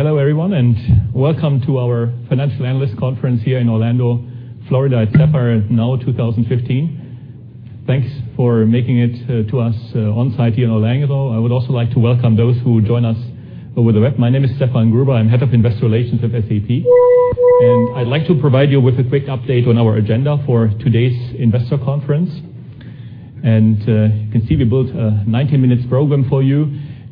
Hello everyone, welcome to our financial analyst conference here in Orlando, Florida, at SAPPHIRE NOW 2015. Thanks for making it to us on-site here in Orlando. I would also like to welcome those who join us over the web. My name is Stefan Gruber. I'm Head of Investor Relations with SAP. I'd like to provide you with a quick update on our agenda for today's investor conference. You can see we built a 90 minutes program for you.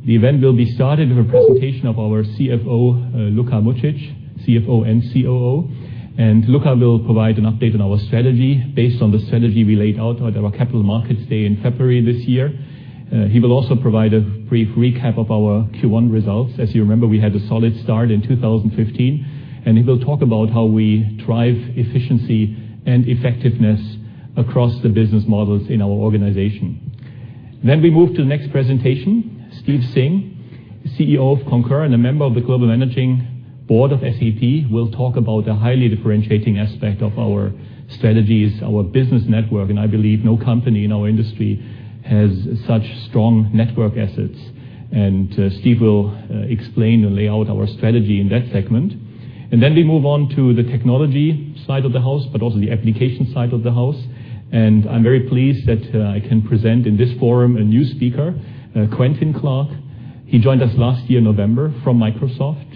The event will be started with a presentation of our CFO, Luka Mucic, CFO and COO. Luka will provide an update on our strategy based on the strategy we laid out at our Capital Markets Day in February this year. He will also provide a brief recap of our Q1 results. As you remember, we had a solid start in 2015. He will talk about how we drive efficiency and effectiveness across the business models in our organization. We move to the next presentation. Steve Singh, CEO of Concur and a member of the global managing board of SAP, will talk about the highly differentiating aspect of our strategies, our business network. I believe no company in our industry has such strong network assets. Steve will explain and lay out our strategy in that segment. We move on to the technology side of the house, but also the application side of the house. I'm very pleased that I can present in this forum a new speaker, Quentin Clark. He joined us last year, November, from Microsoft.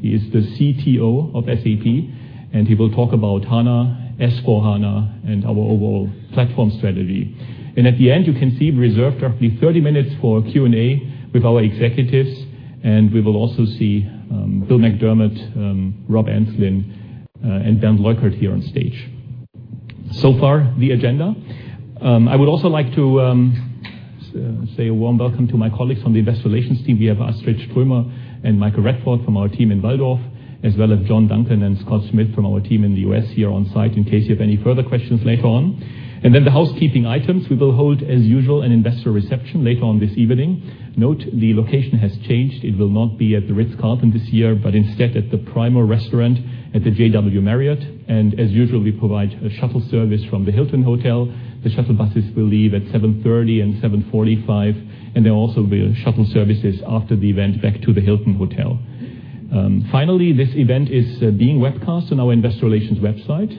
He is the CTO of SAP. He will talk about HANA, S/4HANA, and our overall platform strategy. At the end, you can see we reserved roughly 30 minutes for Q&A with our executives. We will also see Bill McDermott, Rob Enslin, and Bernd Leukert here on stage. So far, the agenda. I would also like to say a warm welcome to my colleagues from the investor relations team. We have Astrid Trömer and Michael Redford from our team in Walldorf, as well as John Duncan and Scott Smith from our team in the U.S. here on-site, in case you have any further questions later on. The housekeeping items, we will hold, as usual, an investor reception later on this evening. Note the location has changed. It will not be at The Ritz-Carlton this year, but instead at the Primo restaurant at the JW Marriott. As usual, we provide a shuttle service from the Hilton Hotel. The shuttle buses will leave at 7:30 A.M. and 7:45 A.M. There will also be shuttle services after the event back to the Hilton Hotel. Finally, this event is being webcast on our investor relations website.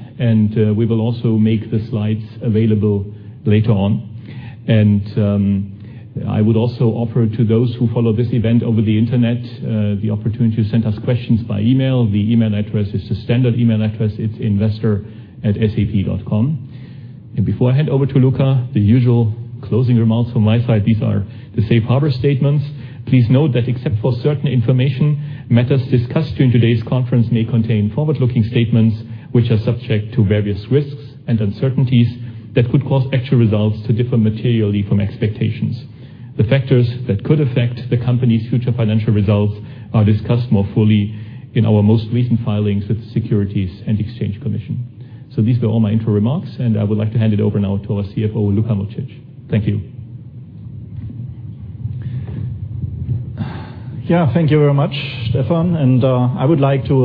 We will also make the slides available later on. I would also offer to those who follow this event over the internet, the opportunity to send us questions by email. The email address is the standard email address. It's investor@sap.com. Before I hand over to Luka, the usual closing remarks from my side. These are the safe harbor statements. Please note that except for certain information, matters discussed during today's conference may contain forward-looking statements, which are subject to various risks and uncertainties that could cause actual results to differ materially from expectations. The factors that could affect the company's future financial results are discussed more fully in our most recent filings with the Securities and Exchange Commission. These were all my intro remarks, and I would like to hand it over now to our CFO, Luka Mucic. Thank you. Thank you very much, Stefan. I would like to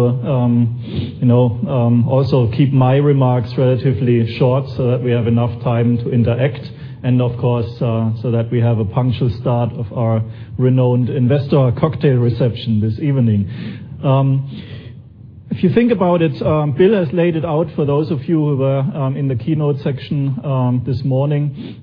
also keep my remarks relatively short so that we have enough time to interact and, of course, so that we have a punctual start of our renowned investor cocktail reception this evening. If you think about it, Bill has laid it out for those of you who were in the keynote section this morning,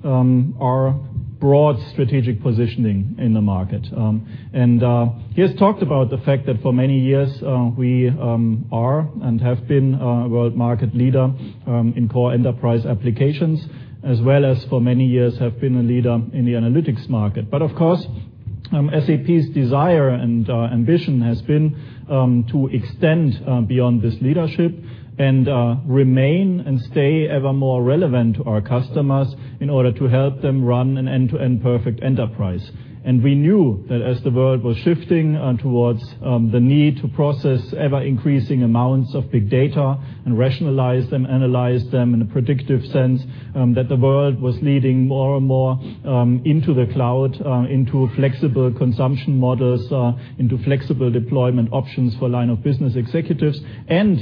our broad strategic positioning in the market. He has talked about the fact that for many years, we are and have been a world market leader in core enterprise applications, as well as for many years have been a leader in the analytics market. Of course, SAP's desire and ambition has been to extend beyond this leadership and remain and stay ever more relevant to our customers in order to help them run an end-to-end perfect enterprise. We knew that as the world was shifting towards the need to process ever-increasing amounts of big data and rationalize them, analyze them in a predictive sense, that the world was leading more and more into the cloud, into flexible consumption models, into flexible deployment options for line of business executives, and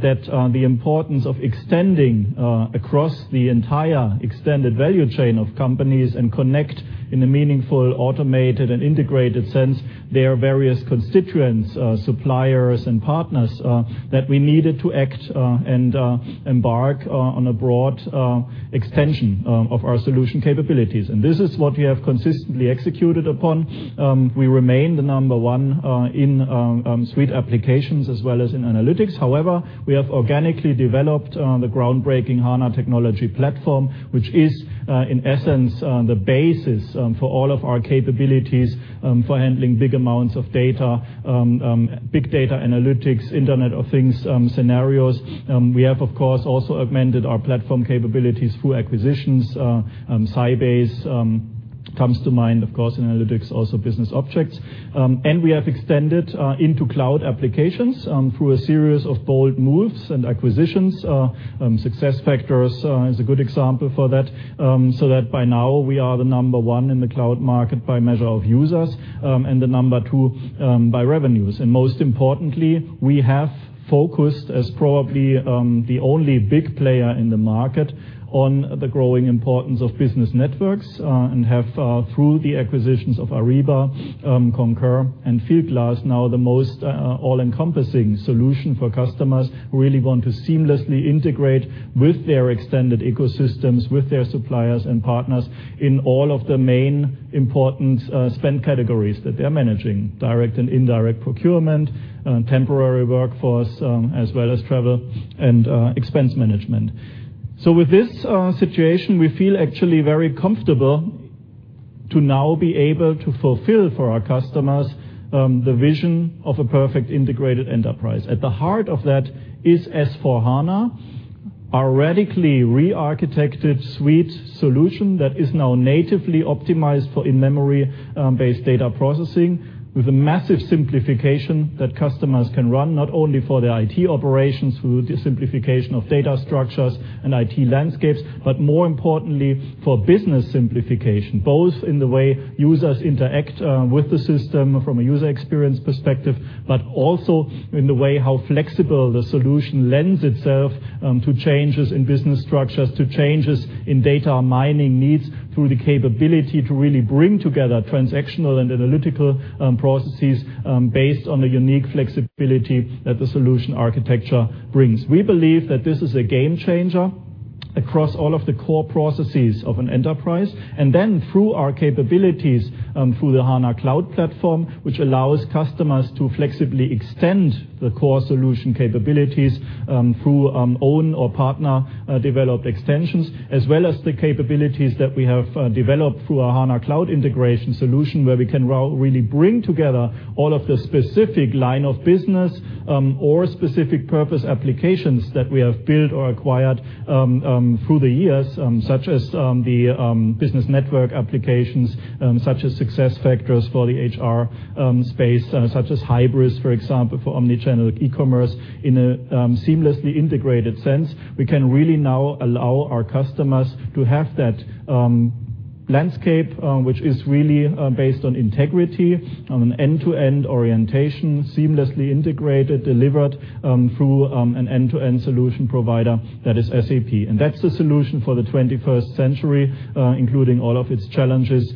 that the importance of extending across the entire extended value chain of companies and connect in a meaningful, automated, and integrated sense their various constituents, suppliers, and partners, that we needed to act and embark on a broad extension of our solution capabilities. This is what we have consistently executed upon. We remain the number one in suite applications as well as in analytics. However, we have organically developed the groundbreaking HANA technology platform, which is, in essence, the basis for all of our capabilities for handling big amounts of data, big data analytics, Internet of Things scenarios. We have, of course, also amended our platform capabilities through acquisitions. Sybase comes to mind, of course, in analytics, also Business Objects. We have extended into cloud applications through a series of bold moves and acquisitions. SuccessFactors is a good example for that, so that by now we are the number one in the cloud market by measure of users, and the number two by revenues. Most importantly, we have focused as probably the only big player in the market on the growing importance of business networks and have, through the acquisitions of Ariba, Concur, and Fieldglass, now the most all-encompassing solution for customers who really want to seamlessly integrate with their extended ecosystems, with their suppliers and partners in all of the main important spend categories that they are managing, direct and indirect procurement, temporary workforce, as well as travel and expense management. With this situation, we feel actually very comfortable to now be able to fulfill for our customers the vision of a perfect integrated enterprise. At the heart of that is S/4HANA, our radically re-architected suite solution that is now natively optimized for in-memory based data processing, with a massive simplification that customers can run, not only for their IT operations through the simplification of data structures and IT landscapes, but more importantly, for business simplification. Both in the way users interact with the system from a user experience perspective, but also in the way how flexible the solution lends itself to changes in business structures, to changes in data mining needs, through the capability to really bring together transactional and analytical processes based on a unique flexibility that the solution architecture brings. We believe that this is a game changer across all of the core processes of an enterprise, through our capabilities through the HANA Cloud Platform, which allows customers to flexibly extend the core solution capabilities through own or partner-developed extensions, as well as the capabilities that we have developed through our SAP HANA Cloud Integration solution, where we can now really bring together all of the specific line of business or specific purpose applications that we have built or acquired through the years, such as the SAP Business Network applications, such as SuccessFactors for the HR space, such as Hybris, for example, for omni-channel e-commerce in a seamlessly integrated sense. We can really now allow our customers to have that landscape, which is really based on integrity, on an end-to-end orientation, seamlessly integrated, delivered through an end-to-end solution provider that is SAP. That's the solution for the 21st century, including all of its challenges,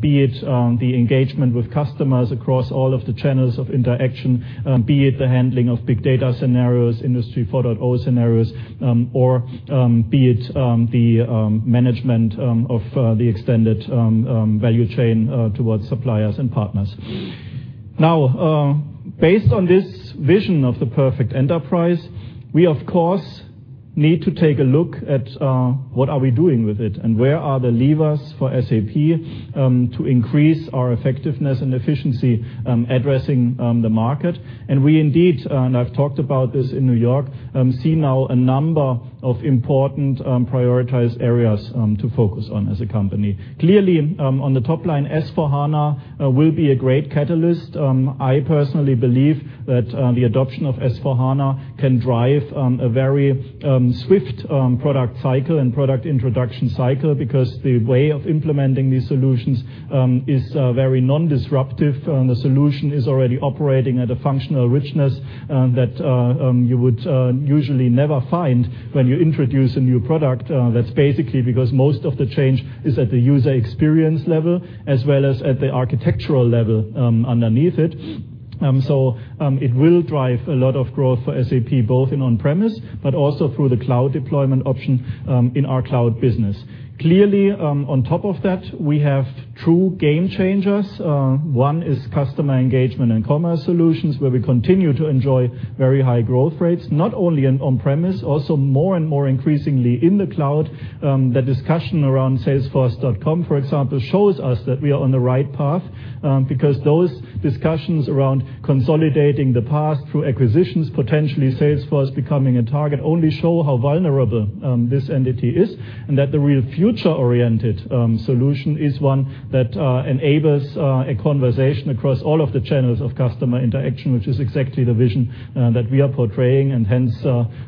be it the engagement with customers across all of the channels of interaction, be it the handling of big data scenarios, Industry 4.0 scenarios or be it the management of the extended value chain towards suppliers and partners. Based on this vision of the perfect enterprise, we, of course, need to take a look at what are we doing with it, and where are the levers for SAP to increase our effectiveness and efficiency addressing the market. We indeed, and I've talked about this in N.Y., see now a number of important prioritized areas to focus on as a company. Clearly, on the top line, S/4HANA will be a great catalyst. I personally believe that the adoption of S/4HANA can drive a very swift product cycle and product introduction cycle because the way of implementing these solutions is very non-disruptive. The solution is already operating at a functional richness that you would usually never find when you introduce a new product. That's basically because most of the change is at the user experience level as well as at the architectural level underneath it. It will drive a lot of growth for SAP, both in on-premise, but also through the cloud deployment option in our cloud business. Clearly, on top of that, we have true game changers. One is customer engagement and commerce solutions, where we continue to enjoy very high growth rates, not only in on-premise, also more and more increasingly in the cloud. The discussion around Salesforce, for example, shows us that we are on the right path, because those discussions around consolidating the past through acquisitions, potentially Salesforce becoming a target, only show how vulnerable this entity is, and that the real future-oriented solution is one that enables a conversation across all of the channels of customer interaction, which is exactly the vision that we are portraying, and hence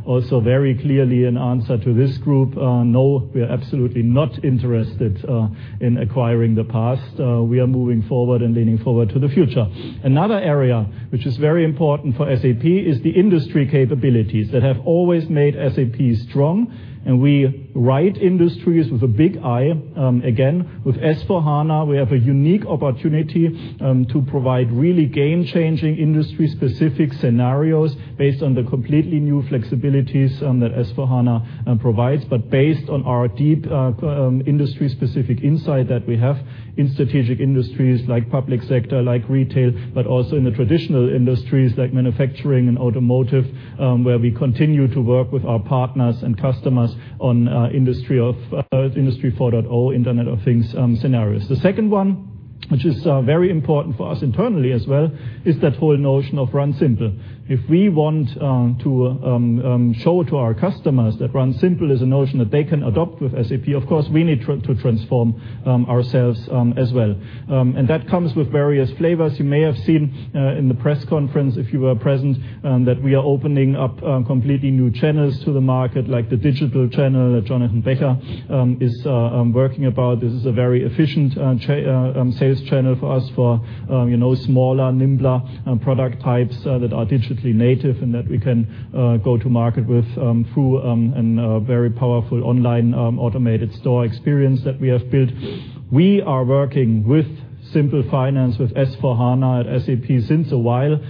also very clearly in answer to this group. No, we are absolutely not interested in acquiring the past. We are moving forward and leaning forward to the future. Another area which is very important for SAP is the industry capabilities that have always made SAP strong, and we write industries with a big I. Again, with S/4HANA, we have a unique opportunity to provide really game-changing industry-specific scenarios based on the completely new flexibilities that S/4HANA provides. Based on our deep industry-specific insight that we have in strategic industries like public sector, like retail, but also in the traditional industries like manufacturing and automotive, where we continue to work with our partners and customers on Industry 4.0, Internet of Things scenarios. The second one, which is very important for us internally as well, is that whole notion of Run Simple. If we want to show to our customers that Run Simple is a notion that they can adopt with SAP, of course, we need to transform ourselves as well. That comes with various flavors. You may have seen in the press conference, if you were present, that we are opening up completely new channels to the market, like the digital channel that Jonathan Becher is working about. This is a very efficient sales channel for us for smaller, nimbler product types that are digitally native and that we can go to market with through a very powerful online automated store experience that we have built. We are working with Simple Finance, with S/4HANA at SAP since a while.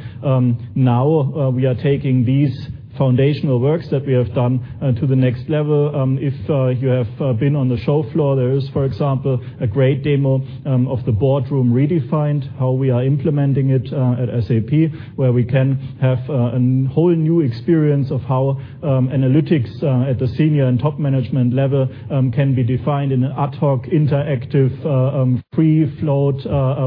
We are taking these foundational works that we have done to the next level. If you have been on the show floor, there is, for example, a great demo of the boardroom redefined, how we are implementing it at SAP, where we can have a whole new experience of how analytics at the senior and top management level can be defined in an ad hoc, interactive, free flow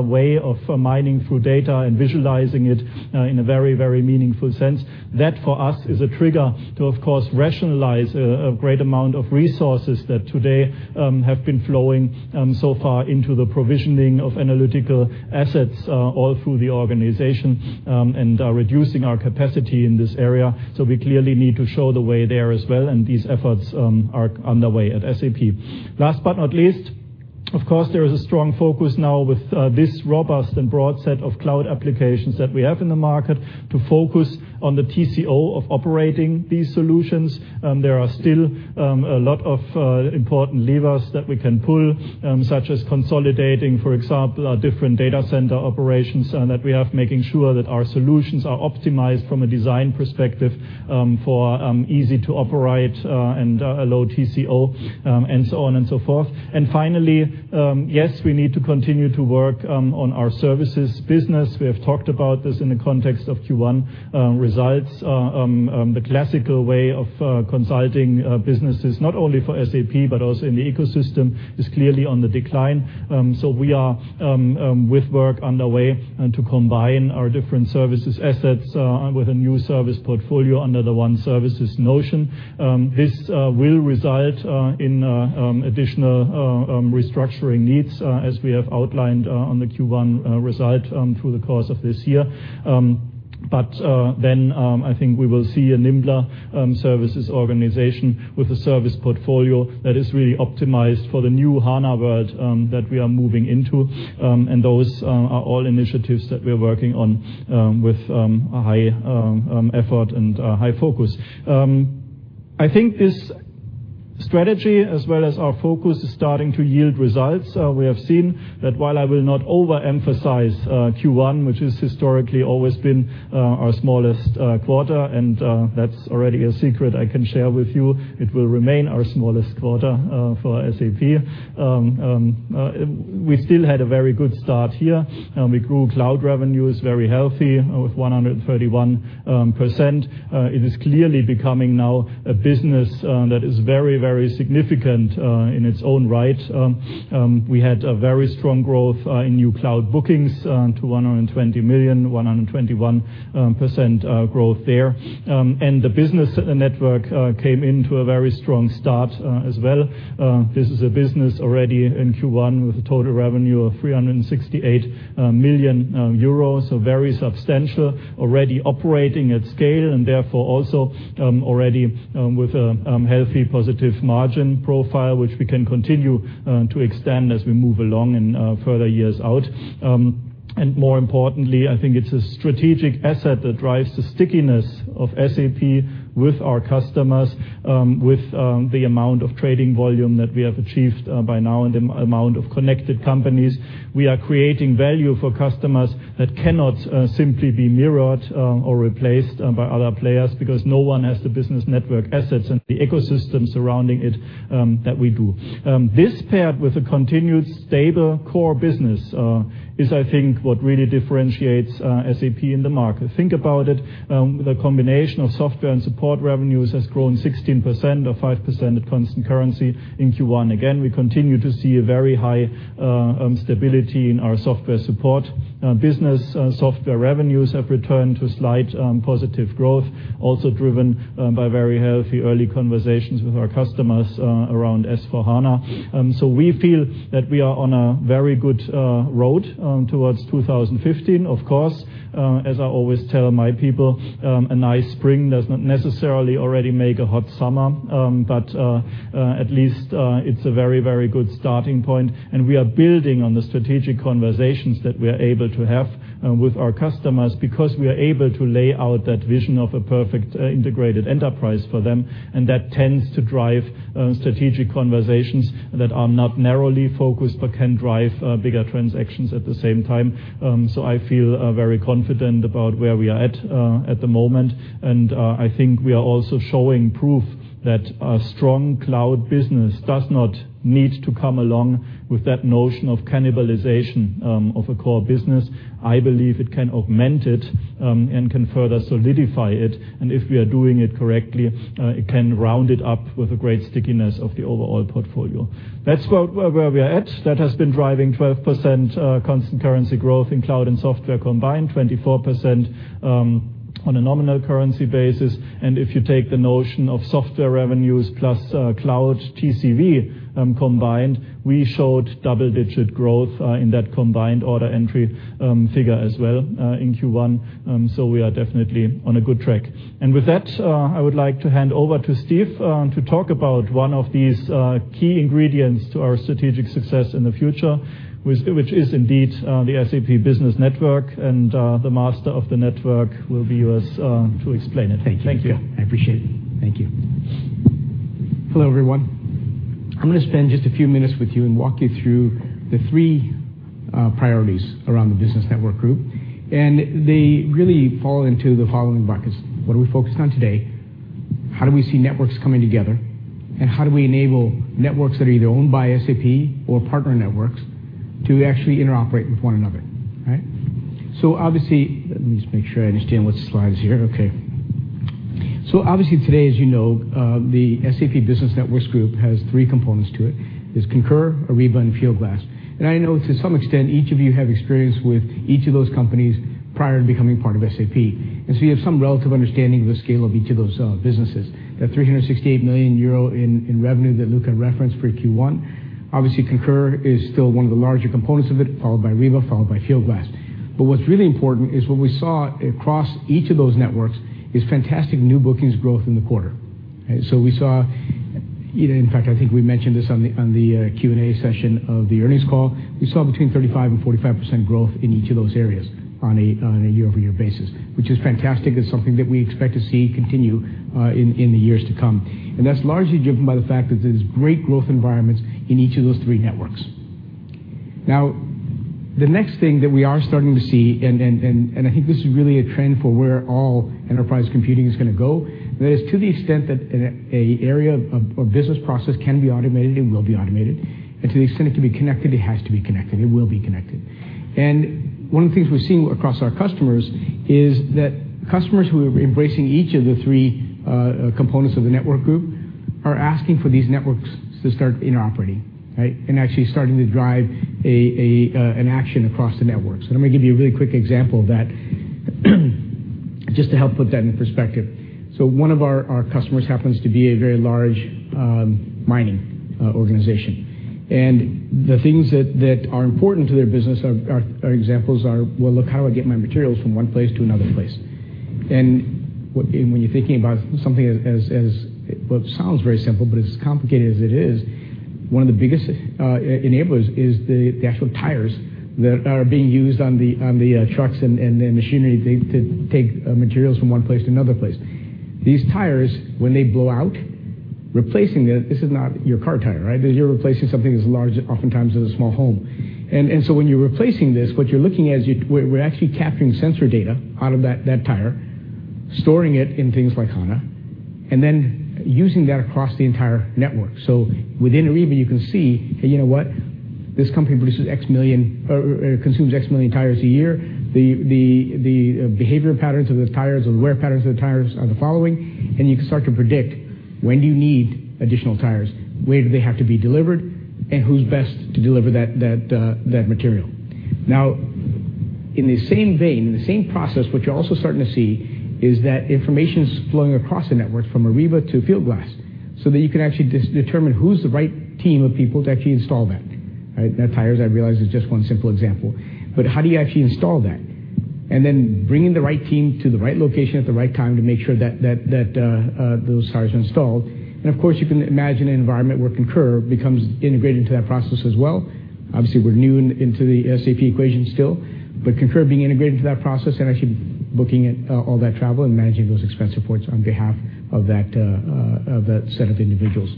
way of mining through data and visualizing it in a very meaningful sense. That, for us, is a trigger to, of course, rationalize a great amount of resources that today have been flowing so far into the provisioning of analytical assets all through the organization and reducing our capacity in this area. We clearly need to show the way there as well, and these efforts are underway at SAP. Last but not least, of course, there is a strong focus now with this robust and broad set of cloud applications that we have in the market to focus on the TCO of operating these solutions. There are still a lot of important levers that we can pull, such as consolidating, for example, different data center operations that we have, making sure that our solutions are optimized from a design perspective for easy to operate and a low TCO and so on and so forth. Finally, yes, we need to continue to work on our services business. We have talked about this in the context of Q1 results. The classical way of consulting businesses, not only for SAP but also in the ecosystem, is clearly on the decline. We are with work underway to combine our different services assets with a new service portfolio under the ONE Service notion. This will result in additional restructuring needs as we have outlined on the Q1 result through the course of this year. I think we will see a nimbler services organization with a service portfolio that is really optimized for the new HANA world that we are moving into. Those are all initiatives that we are working on with a high effort and a high focus. I think this strategy, as well as our focus, is starting to yield results. We have seen that while I will not overemphasize Q1, which has historically always been our smallest quarter, and that is already a secret I can share with you, it will remain our smallest quarter for SAP. We still had a very good start here. We grew cloud revenues very healthy with 131%. It is clearly becoming now a business that is very significant in its own right. We had a very strong growth in new cloud bookings to 120 million, 121% growth there. The business network came into a very strong start as well. This is a business already in Q1 with a total revenue of 368 million euros, so very substantial, already operating at scale, and therefore also already with a healthy positive margin profile, which we can continue to extend as we move along in further years out. More importantly, I think it is a strategic asset that drives the stickiness of SAP with our customers, with the amount of trading volume that we have achieved by now and the amount of connected companies. We are creating value for customers that cannot simply be mirrored or replaced by other players because no one has the business network assets and the ecosystem surrounding it that we do. This paired with a continued stable core business is, I think, what really differentiates SAP in the market. Think about it. The combination of software and support revenues has grown 16% or 5% at constant currency in Q1. Again, we continue to see a very high stability in our software support. Business software revenues have returned to slight positive growth, also driven by very healthy early conversations with our customers around S/4HANA. We feel that we are on a very good road towards 2015. Of course, as I always tell my people, a nice spring does not necessarily already make a hot summer. At least it's a very good starting point, and we are building on the strategic conversations that we are able to have with our customers because we are able to lay out that vision of a perfect integrated enterprise for them. That tends to drive strategic conversations that are not narrowly focused but can drive bigger transactions at the same time. I feel very confident about where we are at the moment. I think we are also showing proof that a strong cloud business does not need to come along with that notion of cannibalization of a core business. I believe it can augment it and can further solidify it. If we are doing it correctly, it can round it up with a great stickiness of the overall portfolio. That's where we are at. That has been driving 12% constant currency growth in cloud and software combined, 24% on a nominal currency basis. If you take the notion of software revenues plus cloud TCV combined, we showed double-digit growth in that combined order entry figure as well in Q1. We are definitely on a good track. With that, I would like to hand over to Steve to talk about one of these key ingredients to our strategic success in the future, which is indeed the SAP Business Network, and the master of the network will be with us to explain it. Thank you. Thank you. I appreciate it. Thank you. Hello, everyone. I'm going to spend just a few minutes with you and walk you through the three priorities around the Business Network Group, and they really fall into the following buckets. What are we focused on today? How do we see networks coming together? How do we enable networks that are either owned by SAP or partner networks to actually interoperate with one another? Right. Obviously, let me just make sure I understand what slide is here. Okay. Obviously today, as you know, the SAP Business Networks group has three components to it, is Concur, Ariba, and Fieldglass. I know to some extent, each of you have experience with each of those companies prior to becoming part of SAP. You have some relative understanding of the scale of each of those businesses. That 368 million euro in revenue that Luka referenced for Q1, obviously Concur is still one of the larger components of it, followed by Ariba, followed by Fieldglass. What's really important is what we saw across each of those networks is fantastic new bookings growth in the quarter. We saw, in fact, I think we mentioned this on the Q&A session of the earnings call. We saw between 35% and 45% growth in each of those areas on a year-over-year basis, which is fantastic. That's something that we expect to see continue in the years to come. That's largely driven by the fact that there's great growth environments in each of those three networks. The next thing that we are starting to see, I think this is really a trend for where all enterprise computing is going to go, that is to the extent that an area of business process can be automated and will be automated, and to the extent it can be connected, it has to be connected. It will be connected. One of the things we're seeing across our customers is that customers who are embracing each of the three components of the network group are asking for these networks to start interoperating. Actually starting to drive an action across the networks. I'm going to give you a really quick example of that just to help put that into perspective. One of our customers happens to be a very large mining organization. The things that are important to their business are examples are, well, look, how do I get my materials from one place to another place? When you're thinking about something as what sounds very simple, but as complicated as it is, one of the biggest enablers is the actual tires that are being used on the trucks and the machinery to take materials from one place to another place. These tires, when they blow out, replacing it, this is not your car tire, right? You're replacing something as large oftentimes as a small home. When you're replacing this, what you're looking at is we're actually capturing sensor data out of that tire, storing it in things like HANA, and then using that across the entire network. Within Ariba, you can see, you know what, this company produces X million or consumes X million tires a year. The behavior patterns of the tires or the wear patterns of the tires are the following. You can start to predict when do you need additional tires, where do they have to be delivered, and who's best to deliver that material. In the same vein, in the same process, what you're also starting to see is that information's flowing across the networks from Ariba to Fieldglass, so that you can actually determine who's the right team of people to actually install that. That tires, I realize, is just one simple example. How do you actually install that? Then bringing the right team to the right location at the right time to make sure that those tires are installed. Of course, you can imagine an environment where Concur becomes integrated into that process as well. Obviously, we're new into the SAP equation still, but Concur being integrated into that process and actually booking all that travel and managing those expense reports on behalf of that set of individuals.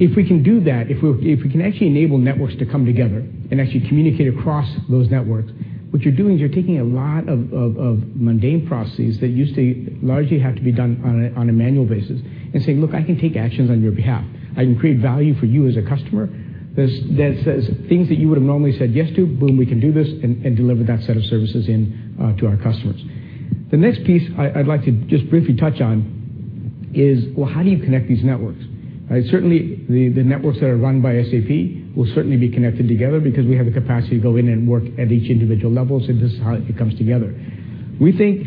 If we can do that, if we can actually enable networks to come together and actually communicate across those networks, what you're doing is you're taking a lot of mundane processes that used to largely have to be done on a manual basis and say, "Look, I can take actions on your behalf. I can create value for you as a customer." That says things that you would've normally said yes to, boom, we can do this and deliver that set of services in to our customers. The next piece I'd like to just briefly touch on is, well, how do you connect these networks? Certainly, the networks that are run by SAP will certainly be connected together because we have the capacity to go in and work at each individual level, so this is how it comes together. We think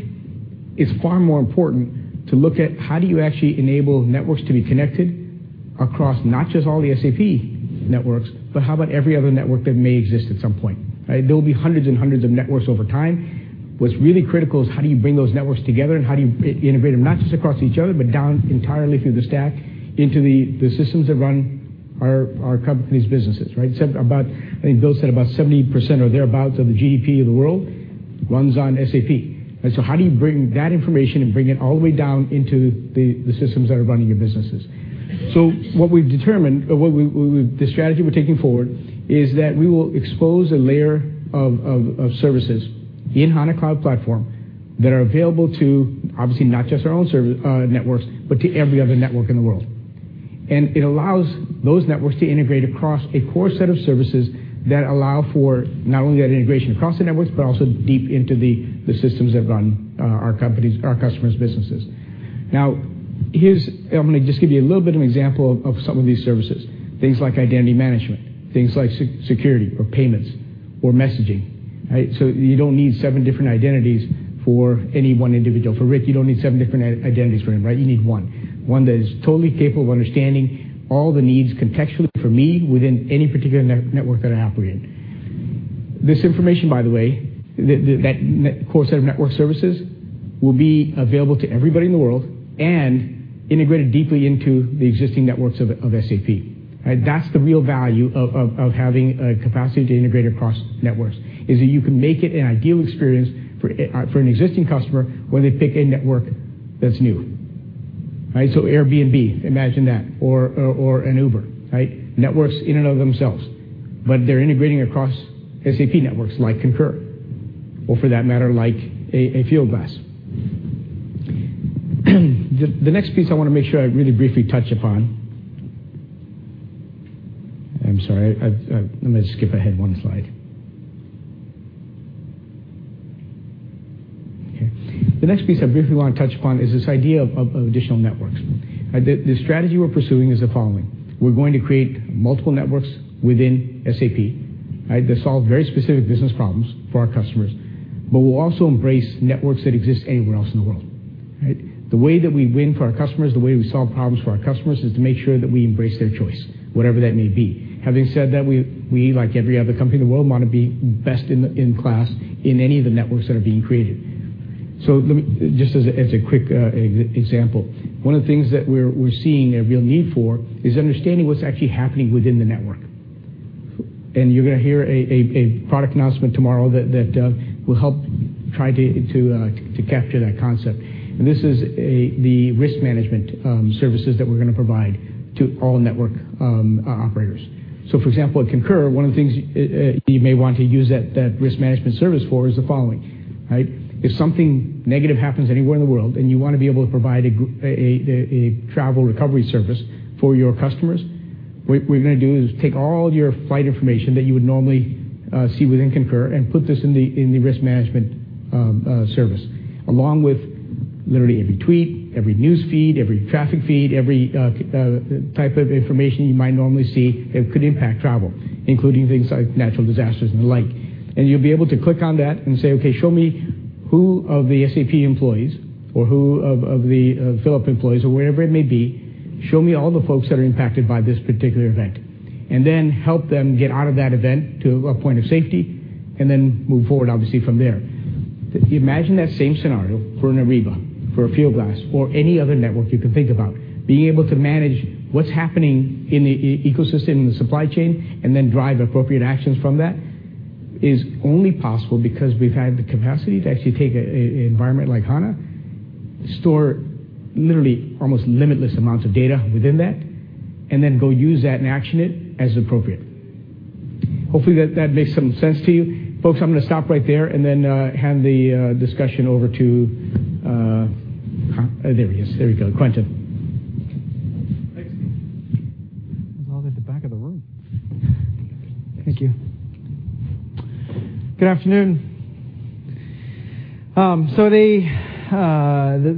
it's far more important to look at how do you actually enable networks to be connected across not just all the SAP networks, but how about every other network that may exist at some point, right? There'll be hundreds and hundreds of networks over time. What's really critical is how do you bring those networks together and how do you integrate them, not just across each other, but down entirely through the stack into the systems that run our company's businesses, right? I think Bill said about 70% or thereabouts of the GDP of the world runs on SAP. How do you bring that information and bring it all the way down into the systems that are running your businesses? What we've determined, the strategy we're taking forward is that we will expose a layer of services in HANA Cloud Platform that are available to, obviously, not just our own service networks, but to every other network in the world. It allows those networks to integrate across a core set of services that allow for not only that integration across the networks, but also deep into the systems that run our customers' businesses. Now, I'm going to just give you a little bit of an example of some of these services. Things like identity management, things like security or payments or messaging. You don't need seven different identities for any one individual. For Rick, you don't need seven different identities for him, right? You need one. One that is totally capable of understanding all the needs contextually for me within any particular network that I operate in. This information, by the way, that core set of network services, will be available to everybody in the world and integrated deeply into the existing networks of SAP. That's the real value of having a capacity to integrate across networks, is that you can make it an ideal experience for an existing customer when they pick a network that's new. Airbnb, imagine that, or an Uber. Networks in and of themselves, but they're integrating across SAP networks like Concur, or for that matter, like a Fieldglass. The next piece I want to make sure I really briefly touch upon. I'm sorry. I'm going to skip ahead one slide. Okay. The next piece I briefly want to touch upon is this idea of additional networks. The strategy we're pursuing is the following. We're going to create multiple networks within SAP, that solve very specific business problems for our customers. We'll also embrace networks that exist anywhere else in the world. The way that we win for our customers, the way we solve problems for our customers, is to make sure that we embrace their choice, whatever that may be. Having said that, we, like every other company in the world, want to be best in class in any of the networks that are being created. Let me, just as a quick example, one of the things that we're seeing a real need for is understanding what's actually happening within the network. You're going to hear a product announcement tomorrow that will help try to capture that concept. This is the risk management services that we're going to provide to all network operators. For example, at Concur, one of the things you may want to use that risk management service for is the following. If something negative happens anywhere in the world and you want to be able to provide a travel recovery service for your customers, what we're going to do is take all your flight information that you would normally see within Concur and put this in the risk management service, along with literally every tweet, every news feed, every traffic feed, every type of information you might normally see that could impact travel, including things like natural disasters and the like. You'll be able to click on that and say, "Okay, show me who of the SAP employees, or who of the Philips employees, or wherever it may be, show me all the folks that are impacted by this particular event." Then help them get out of that event to a point of safety and then move forward, obviously, from there. Imagine that same scenario for an Ariba, for a Fieldglass, or any other network you can think about. Being able to manage what's happening in the ecosystem and the supply chain and then drive appropriate actions from that is only possible because we've had the capacity to actually take an environment like HANA, store literally almost limitless amounts of data within that, and then go use that and action it as appropriate. Hopefully, that makes some sense to you. Folks, I'm going to stop right there and then hand the discussion over to, there he is. There we go. Quentin. Thanks. He's all at the back of the room. Thank you. Good afternoon.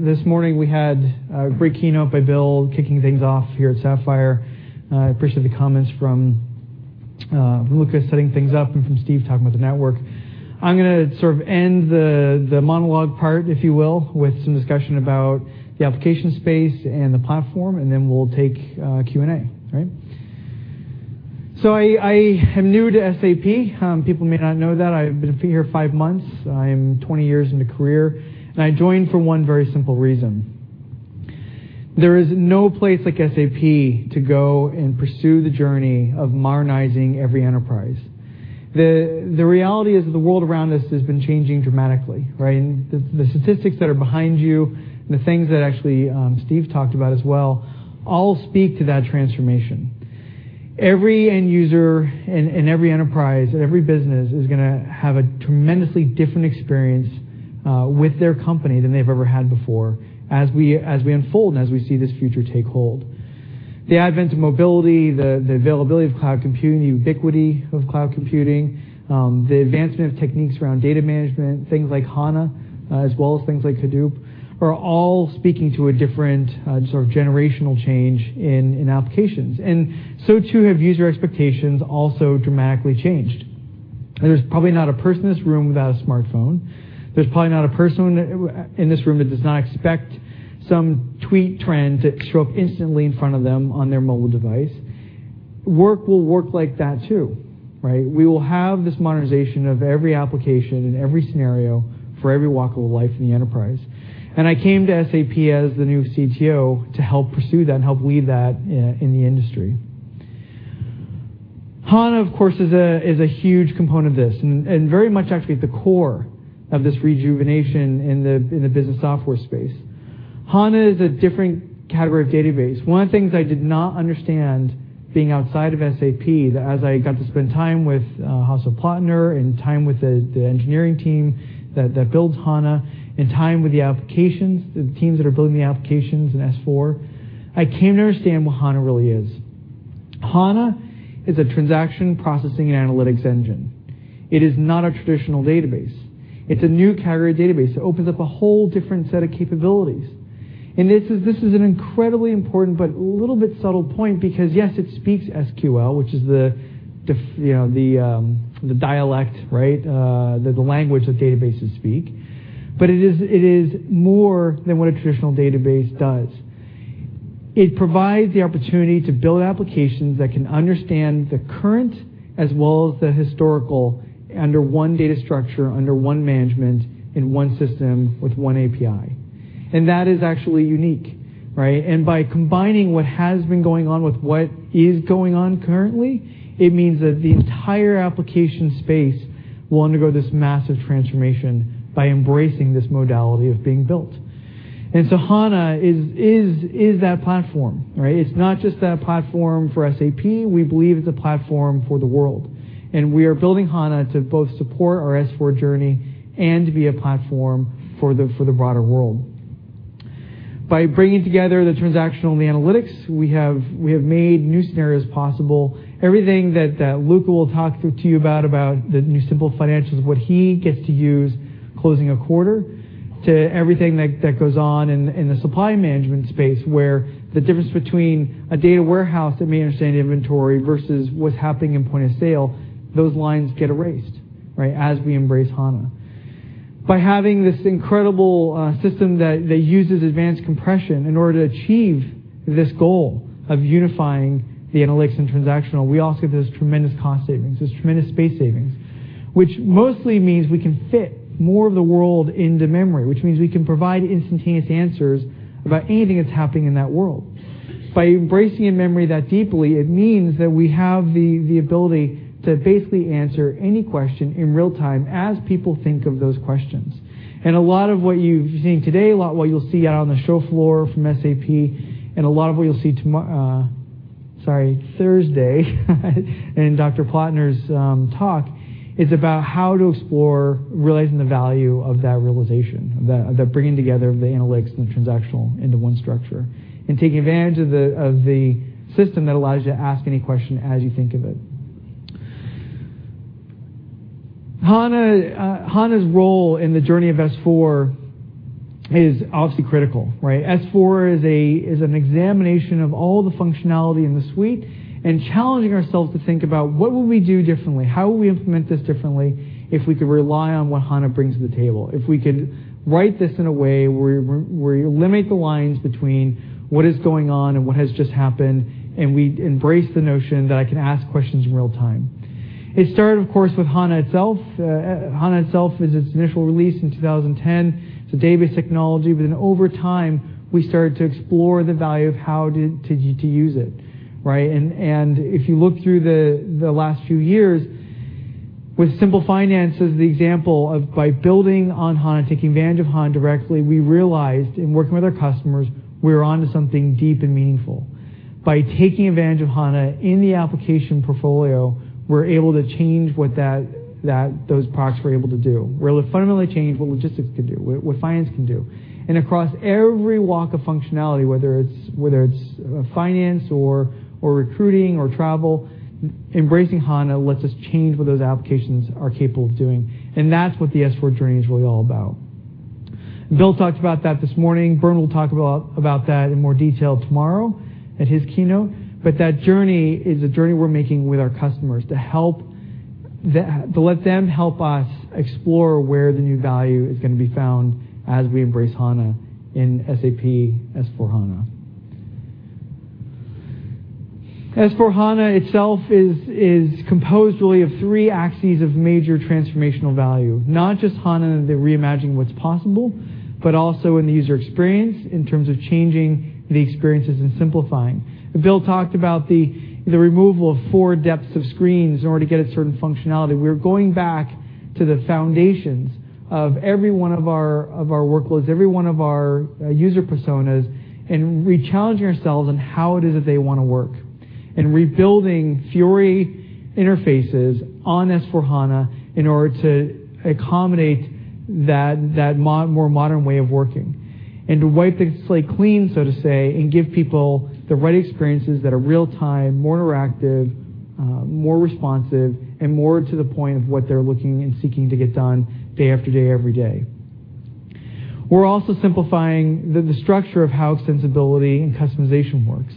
This morning we had a great keynote by Bill kicking things off here at SAPPHIRE NOW. I appreciate the comments from Luka setting things up and from Steve talking about the network. I'm going to sort of end the monologue part, if you will, with some discussion about the application space and the platform, then we'll take Q&A. I am new to SAP. People may not know that. I've been here five months. I am 20 years in the career. I joined for one very simple reason. There is no place like SAP to go and pursue the journey of modernizing every enterprise. The reality is that the world around us has been changing dramatically. The statistics that are behind you and the things that actually Steve talked about as well all speak to that transformation. Every end user and every enterprise, every business is going to have a tremendously different experience with their company than they've ever had before as we unfold and as we see this future take hold. The advent of mobility, the availability of cloud computing, the ubiquity of cloud computing, the advancement of techniques around data management, things like HANA, as well as things like Hadoop, are all speaking to a different sort of generational change in applications. So, too, have user expectations also dramatically changed. There's probably not a person in this room without a smartphone. There's probably not a person in this room that does not expect some tweet trend to show up instantly in front of them on their mobile device. Work will work like that, too. We will have this modernization of every application and every scenario for every walk of life in the enterprise. I came to SAP as the new CTO to help pursue that and help lead that in the industry. HANA, of course, is a huge component of this and very much actually at the core of this rejuvenation in the business software space. HANA is a different category of database. One of the things I did not understand being outside of SAP, as I got to spend time with Hasso Plattner and time with the engineering team that builds HANA and time with the applications, the teams that are building the applications in S/4, I came to understand what HANA really is. HANA is a transaction processing and analytics engine. It is not a traditional database. It's a new category of database. It opens up a whole different set of capabilities. This is an incredibly important but little bit subtle point because, yes, it speaks SQL, which is the dialect, the language that databases speak. It is more than what a traditional database does. It provides the opportunity to build applications that can understand the current as well as the historical under one data structure, under one management, in one system, with one API. That is actually unique. By combining what has been going on with what is going on currently, it means that the entire application space will undergo this massive transformation by embracing this modality of being built. So HANA is that platform. It's not just that platform for SAP. We believe it's a platform for the world. We are building HANA to both support our S/4 journey and to be a platform for the broader world. By bringing together the transactional and the analytics, we have made new scenarios possible. Everything that Luka will talk to you about the new Simple Financials, what he gets to use closing a quarter, to everything that goes on in the supply management space, where the difference between a data warehouse that may understand inventory versus what's happening in point of sale, those lines get erased, as we embrace HANA. By having this incredible system that uses advanced compression in order to achieve this goal of unifying the analytics and transactional, we also get those tremendous cost savings, those tremendous space savings. Which mostly means we can fit more of the world into memory, which means we can provide instantaneous answers about anything that's happening in that world. By embracing a memory that deeply, it means that we have the ability to basically answer any question in real-time as people think of those questions. A lot of what you've seen today, a lot of what you'll see out on the show floor from SAP, a lot of what you'll see tomorrow, sorry, Thursday in Dr Plattner's talk, is about how to explore realizing the value of that realization, the bringing together of the analytics and the transactional into one structure, and taking advantage of the system that allows you to ask any question as you think of it. HANA's role in the journey of S/4 is obviously critical, right? S/4 is an examination of all the functionality in the suite, challenging ourselves to think about what will we do differently, how will we implement this differently if we could rely on what HANA brings to the table, if we could write this in a way where you eliminate the lines between what is going on and what has just happened, we embrace the notion that I can ask questions in real-time. It started, of course, with HANA itself. HANA itself is its initial release in 2010. It's a database technology, over time, we started to explore the value of how to use it. Right? If you look through the last few years, with Simple Finance as the example of by building on HANA, taking advantage of HANA directly, we realized in working with our customers, we were onto something deep and meaningful. By taking advantage of HANA in the application portfolio, we're able to change what those products were able to do. We're able to fundamentally change what logistics can do, what finance can do. Across every walk of functionality, whether it's finance or recruiting or travel, embracing HANA lets us change what those applications are capable of doing. That's what the S/4 journey is really all about. Bill talked about that this morning. Bernd will talk about that in more detail tomorrow at his keynote. That journey is a journey we're making with our customers to let them help us explore where the new value is going to be found as we embrace HANA in SAP S/4HANA. SAP S/4HANA itself is composed really of three axes of major transformational value. Not just HANA and the reimagining what's possible, also in the user experience in terms of changing the experiences and simplifying. Bill talked about the removal of four depths of screens in order to get a certain functionality. We're going back to the foundations of every one of our workloads, every one of our user personas, re-challenging ourselves on how it is that they want to work. Rebuilding Fiori interfaces on SAP S/4HANA in order to accommodate that more modern way of working, to wipe the slate clean, so to say, give people the right experiences that are real-time, more interactive, more responsive, more to the point of what they're looking and seeking to get done day after day, every day. We're also simplifying the structure of how extensibility and customization works.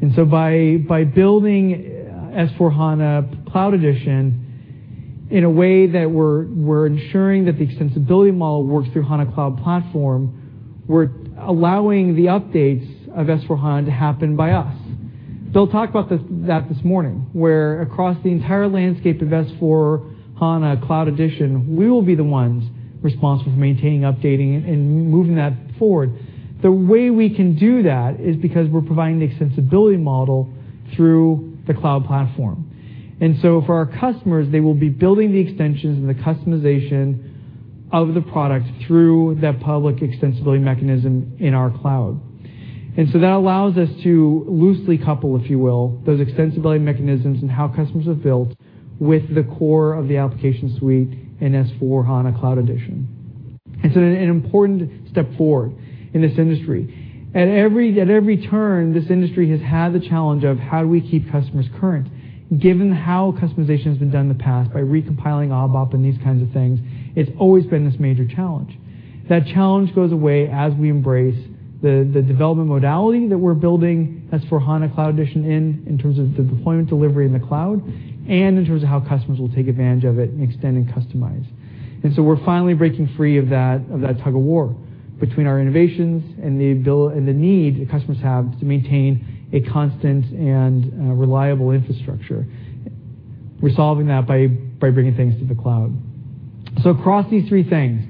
By building S/4HANA Cloud Edition in a way that we're ensuring that the extensibility model works through HANA Cloud Platform, we're allowing the updates of S/4HANA to happen by us. Bill talked about that this morning, where across the entire landscape of S/4HANA Cloud Edition, we will be the ones responsible for maintaining, updating, and moving that forward. The way we can do that is because we're providing the extensibility model through the cloud platform. For our customers, they will be building the extensions and the customization of the product through that public extensibility mechanism in our cloud. That allows us to loosely couple, if you will, those extensibility mechanisms and how customers have built with the core of the application suite in S/4HANA Cloud Edition. An important step forward in this industry. At every turn, this industry has had the challenge of how do we keep customers current, given how customization has been done in the past by recompiling ABAP and these kinds of things, it's always been this major challenge. That challenge goes away as we embrace the development modality that we're building S/4HANA Cloud Edition in terms of the deployment delivery in the cloud, and in terms of how customers will take advantage of it and extend and customize. We're finally breaking free of that tug-of-war between our innovations and the need that customers have to maintain a constant and reliable infrastructure. We're solving that by bringing things to the cloud. Across these three things,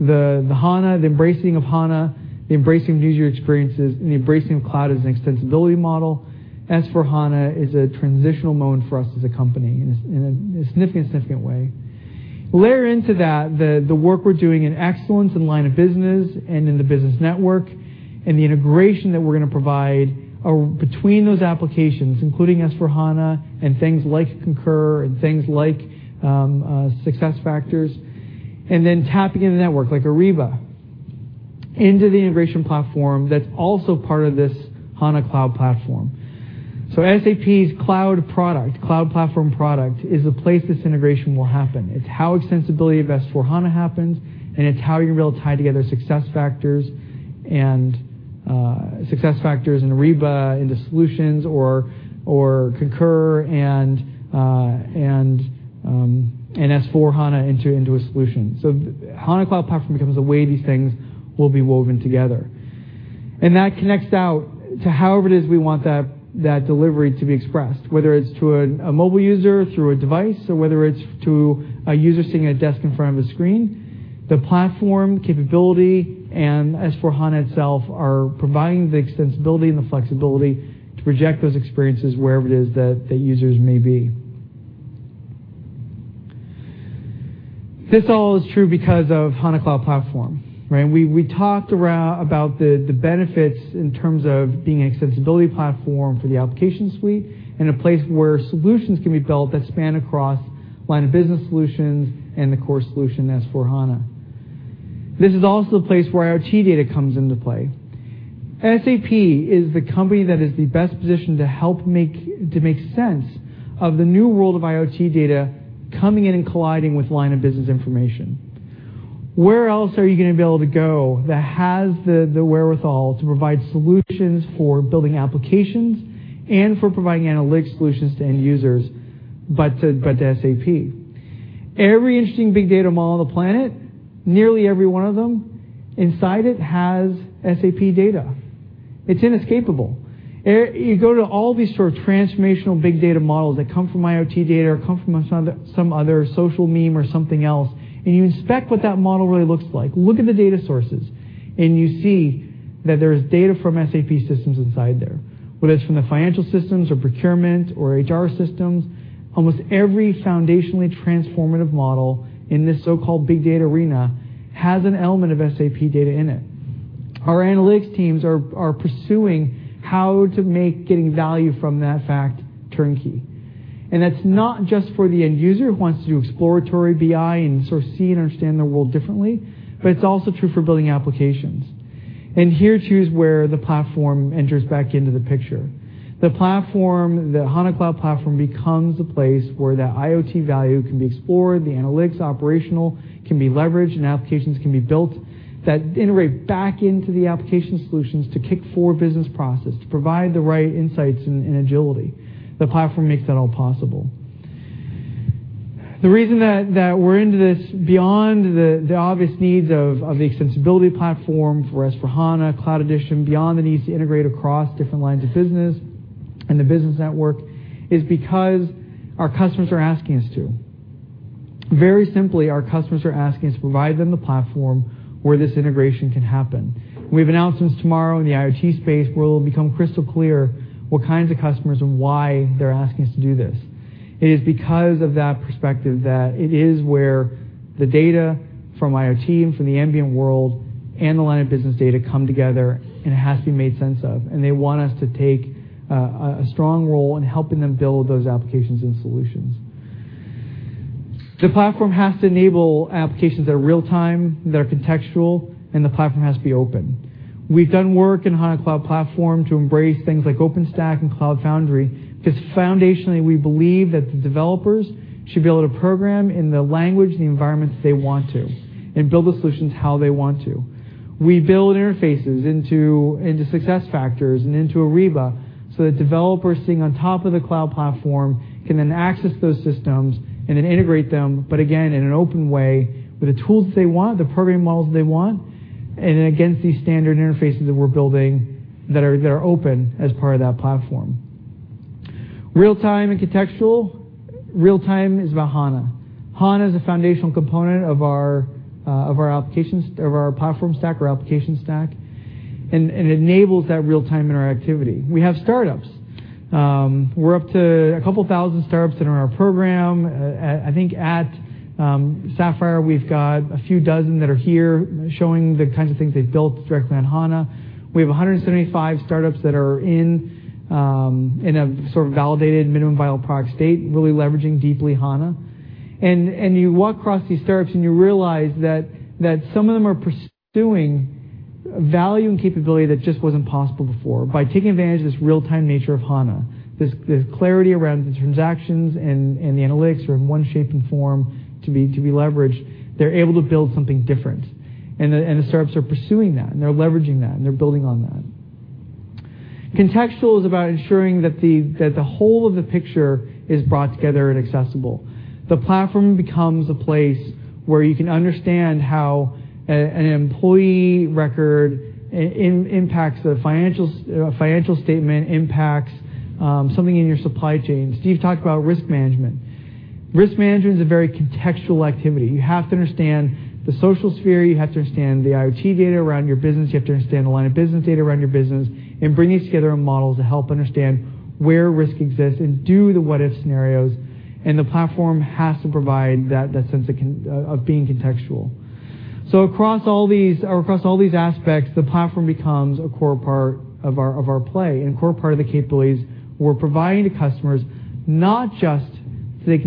the HANA, the embracing of HANA, the embracing of user experiences, and the embracing of cloud as an extensibility model, S/4HANA is a transitional moment for us as a company in a significant way. Layer into that the work we're doing in excellence and line of business and in the business network, and the integration that we're going to provide between those applications, including S/4HANA and things like Concur and things like SuccessFactors, and then tapping into network like Ariba into the integration platform that's also part of this HANA Cloud Platform. SAP's cloud product, cloud platform product, is the place this integration will happen. It's how extensibility of S/4HANA happens, and it's how you'll be able to tie together SuccessFactors and Ariba into solutions or Concur and S/4HANA into a solution. HANA Cloud Platform becomes a way these things will be woven together. That connects out to however it is we want that delivery to be expressed, whether it's to a mobile user through a device or whether it's to a user sitting at a desk in front of a screen. The platform capability and S/4HANA itself are providing the extensibility and the flexibility to project those experiences wherever it is that the users may be. This all is true because of HANA Cloud Platform, right? We talked about the benefits in terms of being an extensibility platform for the application suite and a place where solutions can be built that span across line-of-business solutions and the core solution, S/4HANA. This is also the place where IoT data comes into play. SAP is the company that is the best positioned to help to make sense of the new world of IoT data coming in and colliding with line-of-business information. Where else are you going to be able to go that has the wherewithal to provide solutions for building applications and for providing analytics solutions to end users, but to SAP? Every interesting big data model on the planet, nearly every one of them, inside it has SAP data. It's inescapable. You go to all these sort of transformational big data models that come from IoT data or come from some other social meme or something else, and you inspect what that model really looks like. Look at the data sources, and you see that there's data from SAP systems inside there, whether it's from the financial systems or procurement or HR systems. Almost every foundationally transformative model in this so-called big data arena has an element of SAP data in it. Our analytics teams are pursuing how to make getting value from that fact turnkey. That's not just for the end user who wants to do exploratory BI and sort of see and understand their world differently, but it's also true for building applications. Here, too, is where the platform enters back into the picture. The HANA Cloud Platform becomes the place where that IoT value can be explored, the analytics operational can be leveraged, and applications can be built that integrate back into the application solutions to kick forward business process, to provide the right insights and agility. The platform makes that all possible. The reason that we're into this, beyond the obvious needs of the extensibility platform for S/4HANA Cloud Edition, beyond the needs to integrate across different lines of business and the business network, is because our customers are asking us to. Very simply, our customers are asking us to provide them the platform where this integration can happen. We have announcements tomorrow in the IoT space where it'll become crystal clear what kinds of customers and why they're asking us to do this. It is because of that perspective that it is where the data from IoT and from the ambient world and the line-of-business data come together, and it has to be made sense of, and they want us to take a strong role in helping them build those applications and solutions. The platform has to enable applications that are real-time, that are contextual, and the platform has to be open. We've done work in HANA Cloud Platform to embrace things like OpenStack and Cloud Foundry because foundationally, we believe that the developers should be able to program in the language and the environment that they want to, and build the solutions how they want to. We build interfaces into SuccessFactors and into Ariba so that developers sitting on top of the cloud platform can then access those systems and then integrate them, but again, in an open way with the tools that they want, the programming models they want, and then against these standard interfaces that we're building that are open as part of that platform. Real-time and contextual. Real-time is about HANA. HANA is a foundational component of our platform stack, our application stack, and enables that real-time interactivity. We have startups. We're up to 2,000 startups that are in our program. I think at Sapphire, we've got a few dozen that are here showing the kinds of things they've built directly on HANA. We have 175 startups that are in a sort of validated minimum viable product state, really leveraging deeply HANA. You walk across these startups, and you realize that some of them are pursuing value and capability that just wasn't possible before. By taking advantage of this real-time nature of HANA, this clarity around the transactions and the analytics are in one shape and form to be leveraged, they're able to build something different. The startups are pursuing that, and they're leveraging that, and they're building on that. Contextual is about ensuring that the whole of the picture is brought together and accessible. The platform becomes a place where you can understand how an employee record impacts the financial statement, impacts something in your supply chain. Steve talked about risk management. Risk management is a very contextual activity. You have to understand the social sphere. You have to understand the IoT data around your business. You have to understand the line-of-business data around your business and bring these together in models to help understand where risk exists and do the what-if scenarios. The platform has to provide that sense of being contextual. Across all these aspects, the platform becomes a core part of our play and a core part of the capabilities we're providing to customers, not just so they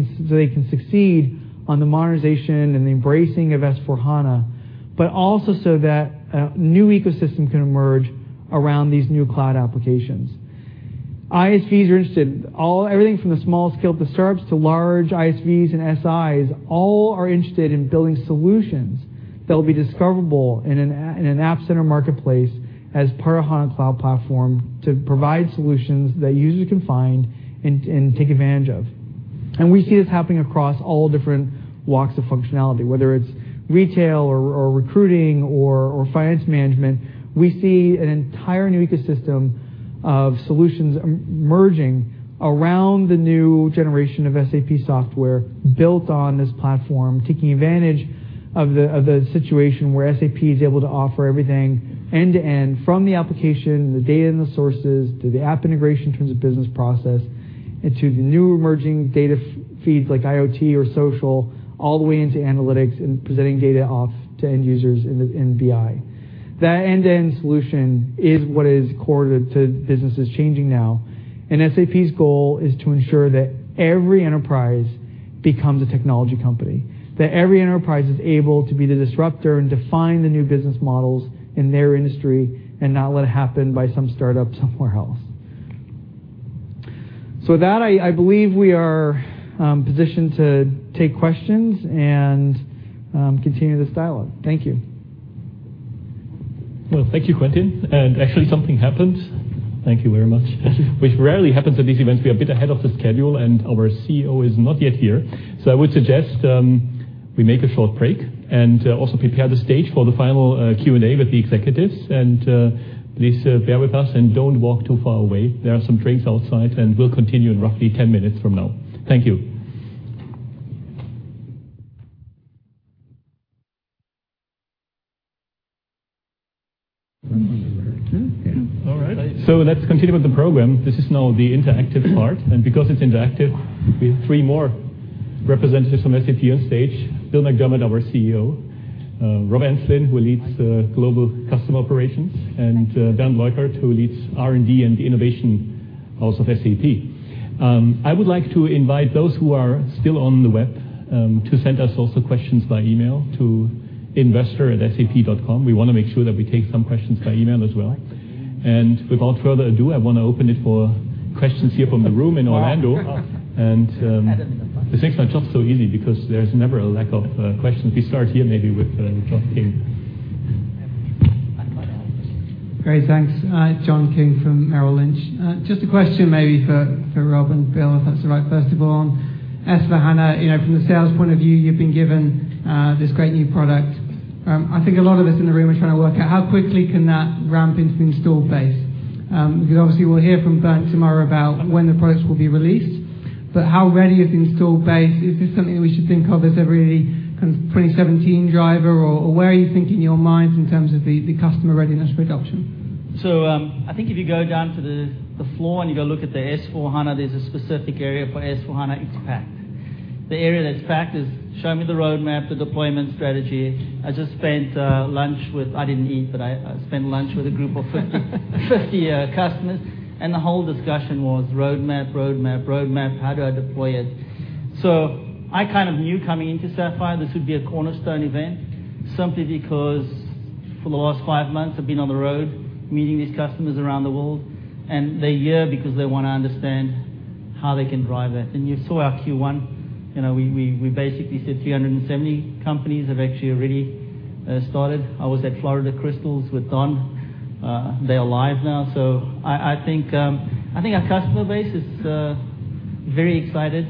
can succeed on the modernization and the embracing of S/4HANA, but also so that a new ecosystem can emerge around these new cloud applications. ISVs are interested. Everything from the smallest scale of the startups to large ISVs and SIs, all are interested in building solutions that will be discoverable in an app center marketplace as part of HANA Cloud Platform to provide solutions that users can find and take advantage of. We see this happening across all different walks of functionality, whether it's retail or recruiting or finance management. We see an entire new ecosystem of solutions emerging around the new generation of SAP software built on this platform, taking advantage of the situation where SAP is able to offer everything end-to-end from the application, the data, and the sources, to the app integration in terms of business process, and to the new emerging data feeds like IoT or social, all the way into analytics and presenting data off to end users in BI. That end-to-end solution is what is core to businesses changing now. SAP's goal is to ensure that every enterprise becomes a technology company, that every enterprise is able to be the disruptor and define the new business models in their industry and not let it happen by some startup somewhere else. With that, I believe we are positioned to take questions and continue this dialogue. Thank you. Well, thank you, Quentin. Actually, something happened. Thank you very much. Thank you. Which rarely happens at these events. We are a bit ahead of the schedule, and our CEO is not yet here. I would suggest we make a short break and also prepare the stage for the final Q&A with the executives. Please bear with us and don't walk too far away. There are some drinks outside, and we'll continue in roughly 10 minutes from now. Thank you. All right. Let's continue with the program. This is now the interactive part, and because it's interactive, we have three more representatives from SAP on stage. Bill McDermott, our CEO, Rob Enslin, who leads global customer operations, and Bernd Leukert, who leads R&D and the innovation house of SAP. I would like to invite those who are still on the web to send us also questions by email to investor@sap.com. We want to make sure that we take some questions by email as well. Without further ado, I want to open it for questions here from the room in Orlando. This makes my job so easy because there's never a lack of questions. We start here maybe with John King. Great, thanks. John King from Merrill Lynch. Just a question maybe for Rob and Bill, if that's the right person to go on. S/4HANA, from the sales point of view, you've been given this great new product. I think a lot of us in the room are trying to work out how quickly can that ramp into the installed base. Obviously we'll hear from Bernd tomorrow about when the products will be released. How ready is the installed base? Is this something that we should think of as a really 2017 driver? Where are you thinking in your minds in terms of the customer readiness for adoption? I think if you go down to the floor and you go look at the S/4HANA, there's a specific area for S/4HANA. It's packed. The area that's packed is, show me the roadmap, the deployment strategy. I didn't eat, but I spent lunch with a group of 50 customers, and the whole discussion was, "Roadmap, roadmap. How do I deploy it?" I kind of knew coming into SAPPHIRE NOW this would be a cornerstone event, simply because for the last five months, I've been on the road meeting these customers around the world, and they're here because they want to understand how they can drive that. You saw our Q1. We basically said 370 companies have actually already started. I was at Florida Crystals with Don. They are live now. I think our customer base is very excited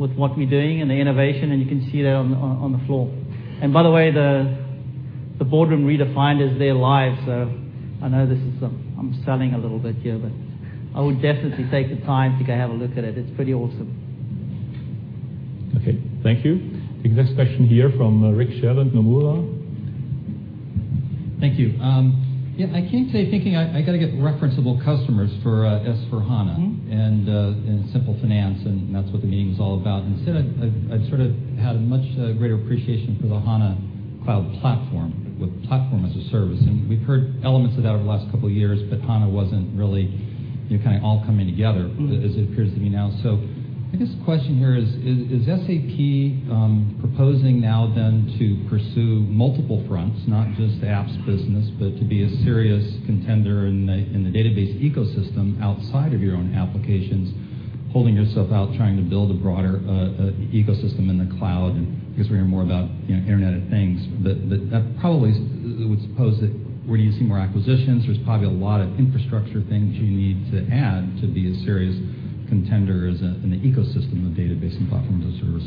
with what we're doing and the innovation, and you can see that on the floor. By the way, the Boardroom Redefined is they're live, I know I'm selling a little bit here, I would definitely take the time to go have a look at it. It's pretty awesome. Okay. Thank you. I think there's a question here from Rick Sherlund, Nomura. Thank you. Yeah, I came today thinking I got to get referenceable customers for S/4HANA and Simple Finance, and that's what the meeting is all about. Instead, I've sort of had a much greater appreciation for the HANA Cloud Platform with platform as a service. We've heard elements of that over the last couple of years, but HANA wasn't really kind of all coming together as it appears to be now. I guess the question here is SAP proposing now then to pursue multiple fronts, not just apps business, but to be a serious contender in the database ecosystem outside of your own applications, holding yourself out, trying to build a broader ecosystem in the cloud? I guess we hear more about Internet of Things. That probably would suppose that we're going to see more acquisitions. There's probably a lot of infrastructure things you need to add to be a serious contender in the ecosystem of database and platform as a service.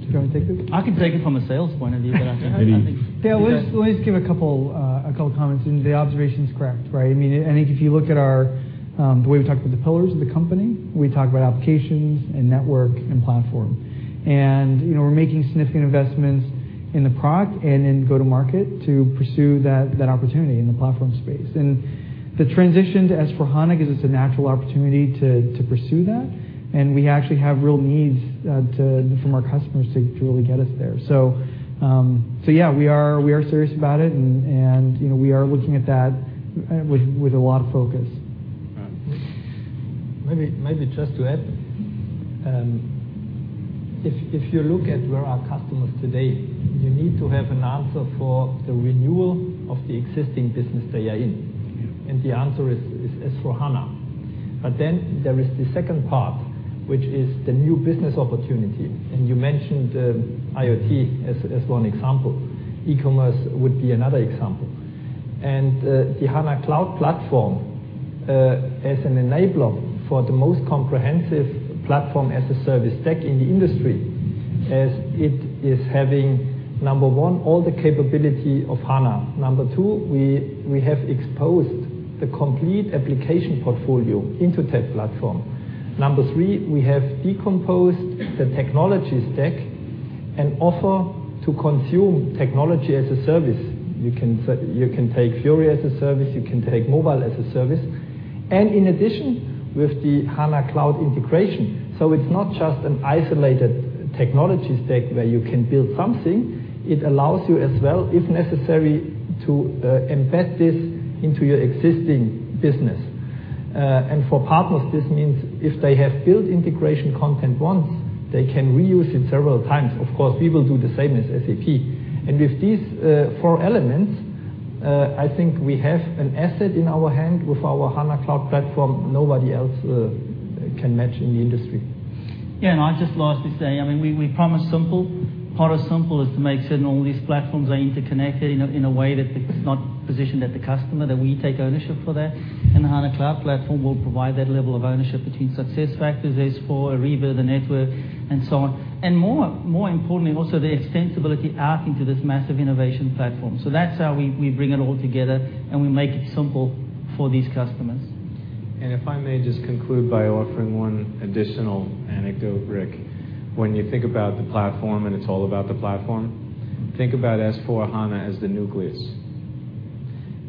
Do you want me to take this? I can take it from a sales point of view, but I think maybe. Yeah, let me just give a couple of comments. The observation is correct, right? I think if you look at the way we talked about the pillars of the company, we talked about applications and network and platform. We're making significant investments in the product and in go-to-market to pursue that opportunity in the platform space. The transition to S/4HANA gives us a natural opportunity to pursue that, and we actually have real needs from our customers to really get us there. Yeah, we are serious about it, and we are looking at that with a lot of focus. All right. Maybe just to add, if you look at where our customers today, you need to have an answer for the renewal of the existing business they are in. Yeah. The answer is S/4HANA. There is the second part, which is the new business opportunity. You mentioned IoT as one example. E-commerce would be another example. The HANA Cloud Platform, as an enabler for the most comprehensive platform as a service stack in the industry, as it is having, number 1, all the capability of HANA. Number 2, we have exposed the complete application portfolio into tech platform. Number 3, we have decomposed the technology stack and offer to consume technology as a service. You can take Fiori as a service, you can take mobile as a service, and in addition, with the HANA Cloud Integration. It's not just an isolated technology stack where you can build something, it allows you as well, if necessary, to embed this into your existing business. For partners, this means if they have built integration content once, they can reuse it several times. Of course, we will do the same as SAP. With these four elements, I think we have an asset in our hand with our HANA Cloud Platform nobody else can match in the industry. I'd just lastly say, we promise simple. Part of simple is to make certain all these platforms are interconnected in a way that it's not positioned at the customer, that we take ownership for that. The HANA Cloud Platform will provide that level of ownership between SuccessFactors, S/4, Ariba, the network, and so on. More importantly, also the extensibility out into this massive innovation platform. That's how we bring it all together and we make it simple for these customers. If I may just conclude by offering one additional anecdote, Rick. When you think about the platform, and it's all about the platform, think about S/4HANA as the nucleus.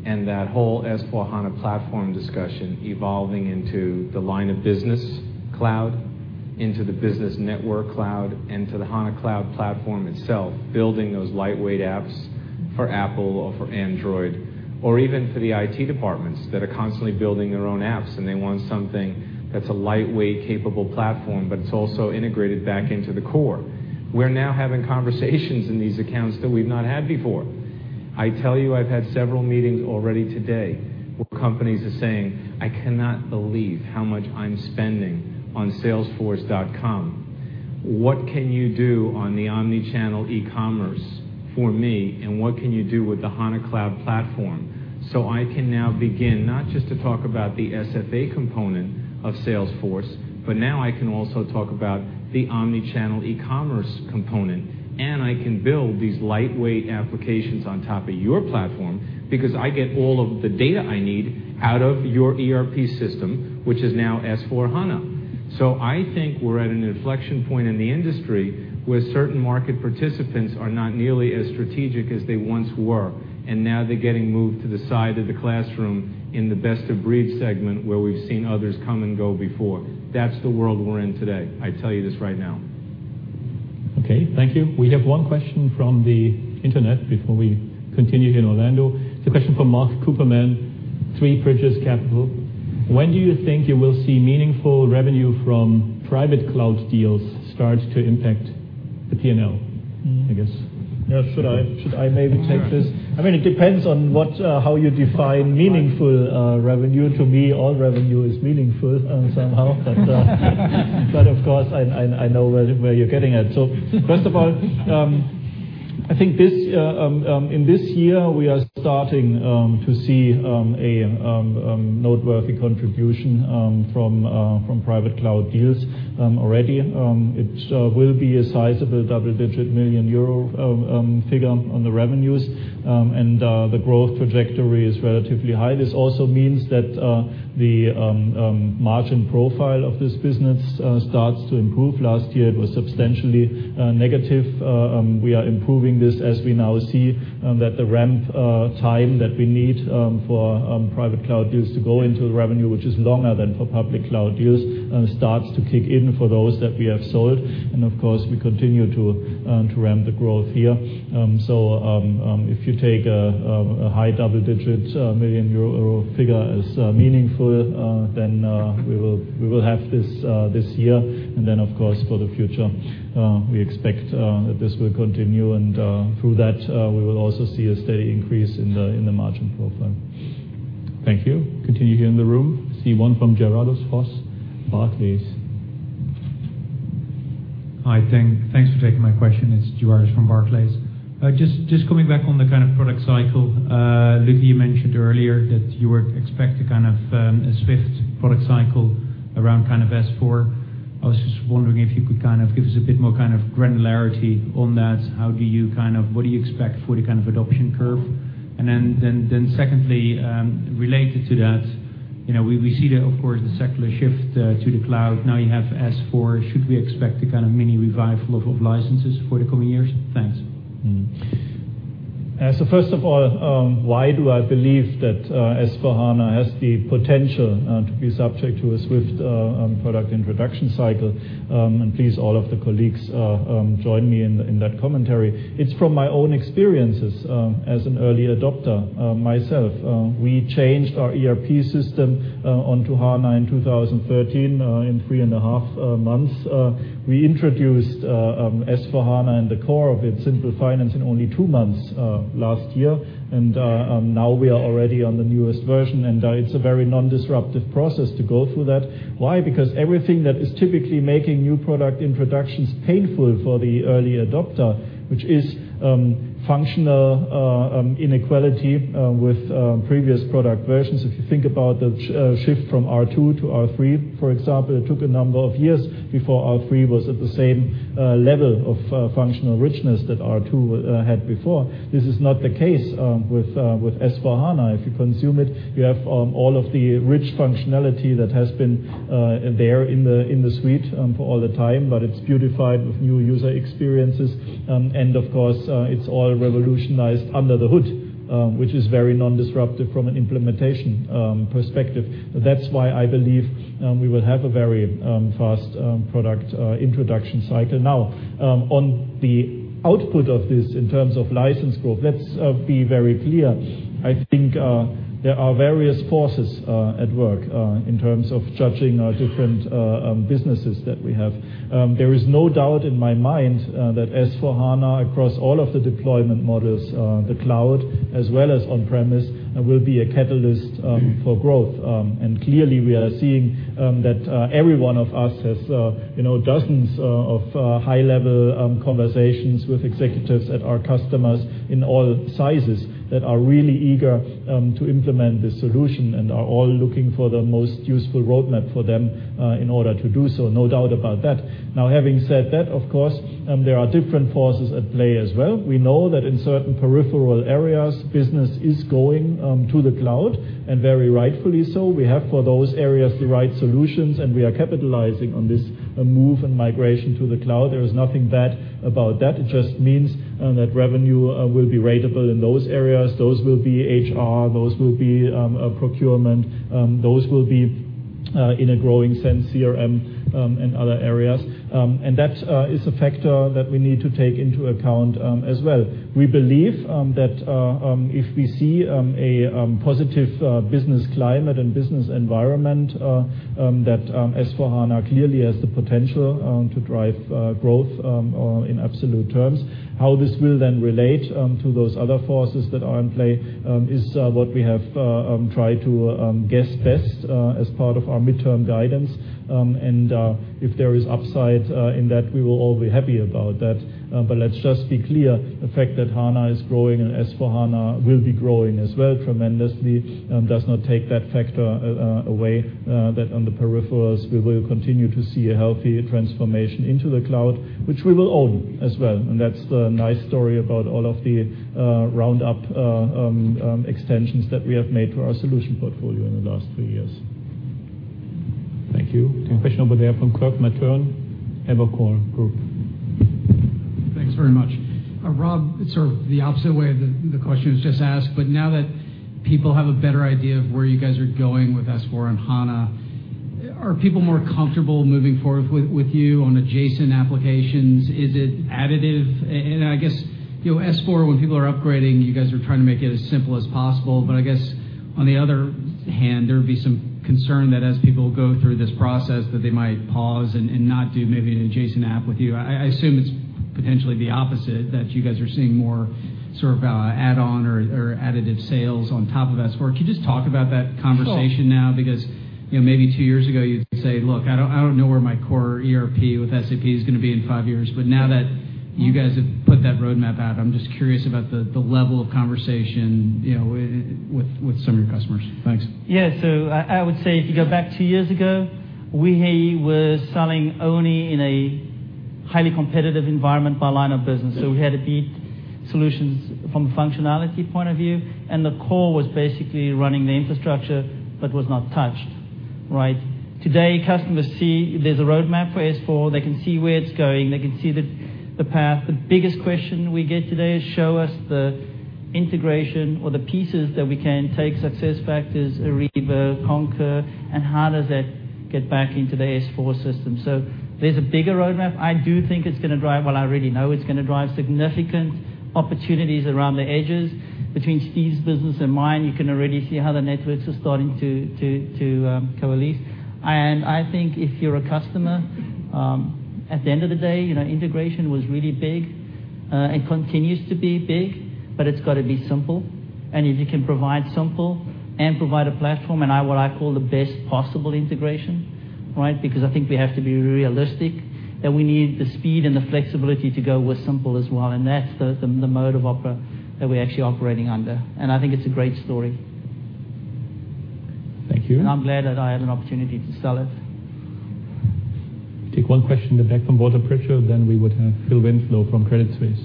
That whole S/4HANA platform discussion evolving into the line of business cloud, into the business network cloud, into the HANA Cloud Platform itself, building those lightweight apps for Apple or for Android. Even for the IT departments that are constantly building their own apps and they want something that's a lightweight, capable platform, but it's also integrated back into the core. We're now having conversations in these accounts that we've not had before. I tell you, I've had several meetings already today where companies are saying, "I cannot believe how much I'm spending on salesforce.com. What can you do on the omni-channel e-commerce for me, and what can you do with the HANA Cloud Platform?" I can now begin, not just to talk about the SFA component of Salesforce, but now I can also talk about the omni-channel e-commerce component, and I can build these lightweight applications on top of your platform because I get all of the data I need out of your ERP system, which is now S/4HANA. I think we're at an inflection point in the industry where certain market participants are not nearly as strategic as they once were, and now they're getting moved to the side of the classroom in the best-of-breed segment where we've seen others come and go before. That's the world we're in today. I tell you this right now. Okay. Thank you. We have one question from the internet before we continue here in Orlando. It's a question from Marc Cooperman, Three Bridges Capital. When do you think you will see meaningful revenue from private cloud deals start to impact the P&L? I guess. Yeah, should I maybe take this? It depends on how you define meaningful revenue. To me, all revenue is meaningful somehow. Of course, I know where you're getting at. First of all, I think in this year, we are starting to see a noteworthy contribution from private cloud deals already. It will be a sizable double-digit million euro figure on the revenues. The growth trajectory is relatively high. This also means that the margin profile of this business starts to improve. Last year, it was substantially negative. We are improving this as we now see that the ramp time that we need for private cloud deals to go into revenue, which is longer than for public cloud deals, starts to kick in for those that we have sold. Of course, we continue to ramp the growth here. If you take a high double-digit million euro figure as meaningful, then we will have this this year. Then, of course, for the future, we expect that this will continue and, through that, we will also see a steady increase in the margin profile. Thank you. Continue here in the room. See one from Gerardus Vos, Barclays. Hi. Thanks for taking my question. It is Gerardus from Barclays. Coming back on the kind of product cycle. Luka, you mentioned earlier that you were expecting a swift product cycle around S/4. I was just wondering if you could give us a bit more granularity on that. What do you expect for the kind of adoption curve? Secondly, related to that, we see, of course, the secular shift to the cloud. Now you have S/4. Should we expect a kind of mini revival of licenses for the coming years? Thanks. First of all, why do I believe that S/4HANA has the potential to be subject to a swift product introduction cycle? Please, all of the colleagues, join me in that commentary. It is from my own experiences as an early adopter myself. We changed our ERP system onto HANA in 2013, in three and a half months. We introduced S/4HANA in the core of its Simple Finance in only two months last year. Now we are already on the newest version, and it is a very non-disruptive process to go through that. Why? Because everything that is typically making new product introductions painful for the early adopter, which is functional inequality with previous product versions. If you think about the shift from R/2 to R/3, for example, it took a number of years before R/3 was at the same level of functional richness that R/2 had before. This is not the case with S/4HANA. If you consume it, you have all of the rich functionality that has been there in the suite for all the time, but it is beautified with new user experiences. Of course, it is all revolutionized under the hood, which is very non-disruptive from an implementation perspective. That is why I believe we will have a very fast product introduction cycle. On the output of this in terms of license growth, let us be very clear. I think there are various forces at work in terms of judging our different businesses that we have. There is no doubt in my mind that S/4HANA, across all of the deployment models, the cloud as well as on-premise, will be a catalyst for growth. Clearly, we are seeing that every one of us has dozens of high-level conversations with executives at our customers in all sizes that are really eager to implement this solution and are all looking for the most useful roadmap for them in order to do so. No doubt about that. Having said that, of course, there are different forces at play as well. We know that in certain peripheral areas, business is going to the cloud, and very rightfully so. We have for those areas the right solutions, and we are capitalizing on this move and migration to the cloud. There is nothing bad about that. It just means that revenue will be ratable in those areas. Those will be HR, those will be procurement, those will be, in a growing sense, CRM and other areas. That is a factor that we need to take into account as well. We believe that if we see a positive business climate and business environment, that S/4HANA clearly has the potential to drive growth in absolute terms. How this will then relate to those other forces that are in play is what we have tried to guess best as part of our midterm guidance. If there is upside in that, we will all be happy about that. Let's just be clear, the fact that HANA is growing and S/4HANA will be growing as well tremendously, does not take that factor away, that on the peripherals, we will continue to see a healthy transformation into the cloud, which we will own as well. That's the nice story about all of the round-up extensions that we have made to our solution portfolio in the last three years. Thank you. Question over there from Kirk Materne, Evercore Group. Thanks very much. Rob, it's sort of the opposite way of the question that was just asked, now that people have a better idea of where you guys are going with S/4HANA, are people more comfortable moving forward with you on adjacent applications? Is it additive? I guess, S/4, when people are upgrading, you guys are trying to make it as simple as possible. I guess, on the other hand, there would be some concern that as people go through this process, that they might pause and not do maybe an adjacent app with you. I assume it's potentially the opposite, that you guys are seeing more sort of add-on or additive sales on top of S/4. Could you just talk about that conversation now? Maybe two years ago, you'd say, "Look, I don't know where my core ERP with SAP is going to be in five years." Now that you guys have put that roadmap out, I'm just curious about the level of conversation with some of your customers. Thanks. I would say if you go back 2 years ago, we were selling only in a highly competitive environment by line of business. We had to beat solutions from a functionality point of view, and the core was basically running the infrastructure but was not touched. Right? Today, customers see there's a roadmap for S/4. They can see where it's going. They can see the path. The biggest question we get today is, show us the integration or the pieces that we can take SuccessFactors, Ariba, Concur, and how does that get back into the S/4 system? There's a bigger roadmap. I do think it's going to drive, well, I already know it's going to drive significant opportunities around the edges. Between Steve's business and mine, you can already see how the networks are starting to coalesce. I think if you're a customer, at the end of the day, integration was really big. It continues to be big, but it's got to be simple. If you can provide simple and provide a platform and what I call the best possible integration, right? Because I think we have to be realistic, that we need the speed and the flexibility to go with simple as well. That's the modus operandi that we're actually operating under. I think it's a great story. Thank you. I'm glad that I had an opportunity to sell it. Take one question in the back from Walter Pritchard, then we would have Phil Winslow from Credit Suisse.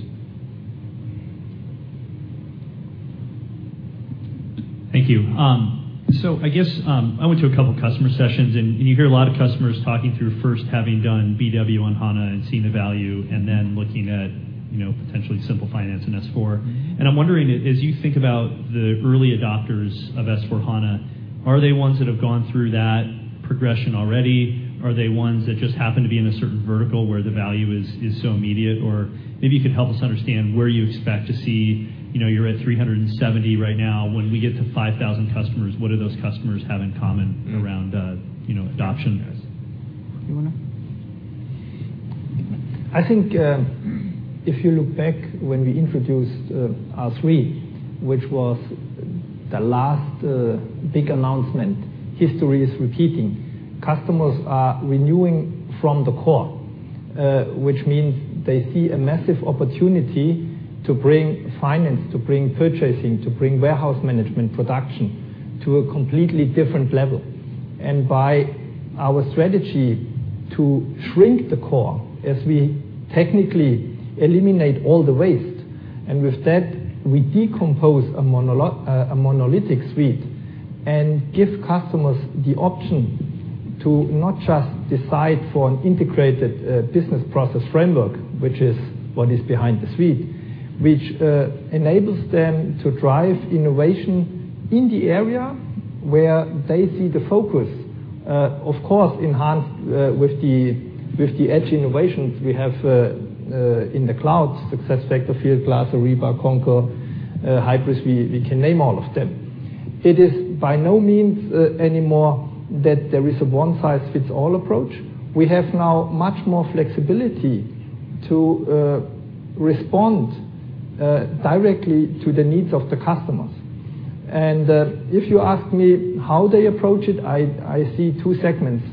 Thank you. I went to a couple of customer sessions, and you hear a lot of customers talking through first having done BW on HANA and seeing the value, then looking at potentially Simple Finance in S/4. I'm wondering, as you think about the early adopters of S/4HANA, are they ones that have gone through that progression already? Are they ones that just happen to be in a certain vertical where the value is so immediate? Or maybe you could help us understand where you expect to see, you're at 370 right now. When we get to 5,000 customers, what do those customers have in common around adoption? You want to? I think if you look back when we introduced our suite, which was the last big announcement, history is repeating. Customers are renewing from the core, which means they see a massive opportunity to bring finance, to bring purchasing, to bring warehouse management production to a completely different level. By our strategy to shrink the core as we technically eliminate all the waste. With that, we decompose a monolithic suite and give customers the option to not just decide for an integrated business process framework, which is what is behind the suite, which enables them to drive innovation in the area where they see the focus. Of course, enhanced with the edge innovations we have in the cloud, SuccessFactors, Fieldglass, Ariba, Concur, Hybris, we can name all of them. It is by no means anymore that there is a one-size-fits-all approach. We have now much more flexibility to respond directly to the needs of the customers. If you ask me how they approach it, I see two segments.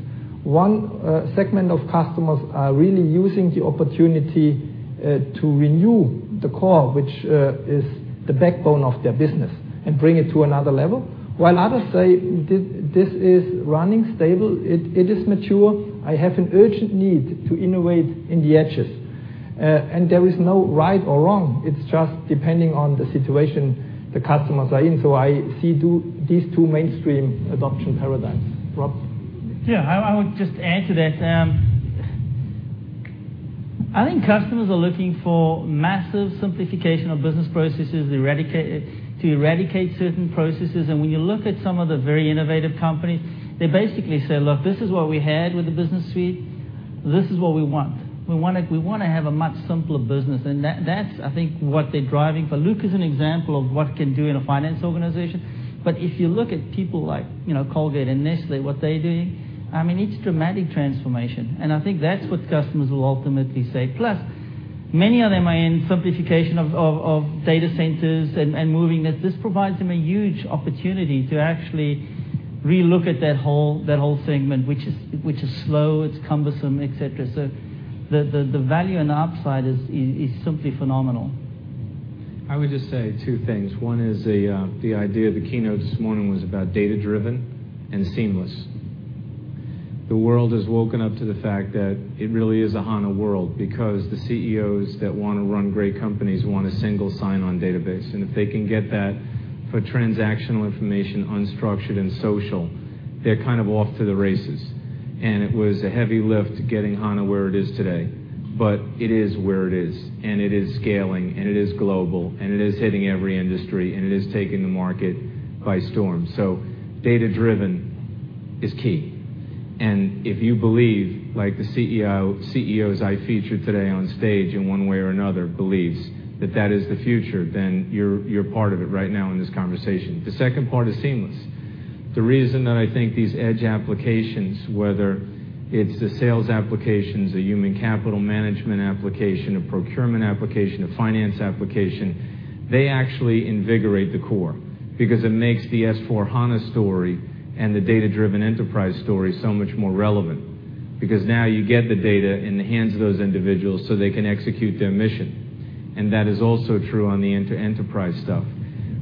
One segment of customers are really using the opportunity to renew the core, which is the backbone of their business, and bring it to another level, while others say, "This is running stable. It is mature. I have an urgent need to innovate in the edges." There is no right or wrong. It's just depending on the situation the customers are in. I see these two mainstream adoption paradigms. Rob? Yeah, I would just add to that. I think customers are looking for massive simplification of business processes to eradicate certain processes. When you look at some of the very innovative companies, they basically say, "Look, this is what we had with the business suite. This is what we want. We want to have a much simpler business." That's, I think, what they're driving for. Luka is an example of what can do in a finance organization. If you look at people like Colgate and Nestlé, what they're doing, it's dramatic transformation. I think that's what customers will ultimately say. Plus, many of them are in simplification of data centers and moving it. This provides them a huge opportunity to actually relook at that whole segment, which is slow, it's cumbersome, et cetera. The value and upside is simply phenomenal. I would just say two things. One is the idea, the keynote this morning was about data-driven and seamless. The world has woken up to the fact that it really is a HANA world because the CEOs that want to run great companies want a single sign-on database. If they can get that for transactional information, unstructured and social, they're kind of off to the races. It was a heavy lift getting HANA where it is today. It is where it is, and it is scaling, and it is global, and it is hitting every industry, and it is taking the market by storm. Data-driven is key. If you believe, like the CEOs I featured today on stage in one way or another believes that that is the future, then you're part of it right now in this conversation. The second part is seamless. The reason that I think these edge applications, whether it's the sales applications, a human capital management application, a procurement application, a finance application, they actually invigorate the core because it makes the S/4HANA story and the data-driven enterprise story so much more relevant. Because now you get the data in the hands of those individuals so they can execute their mission. That is also true on the enterprise stuff.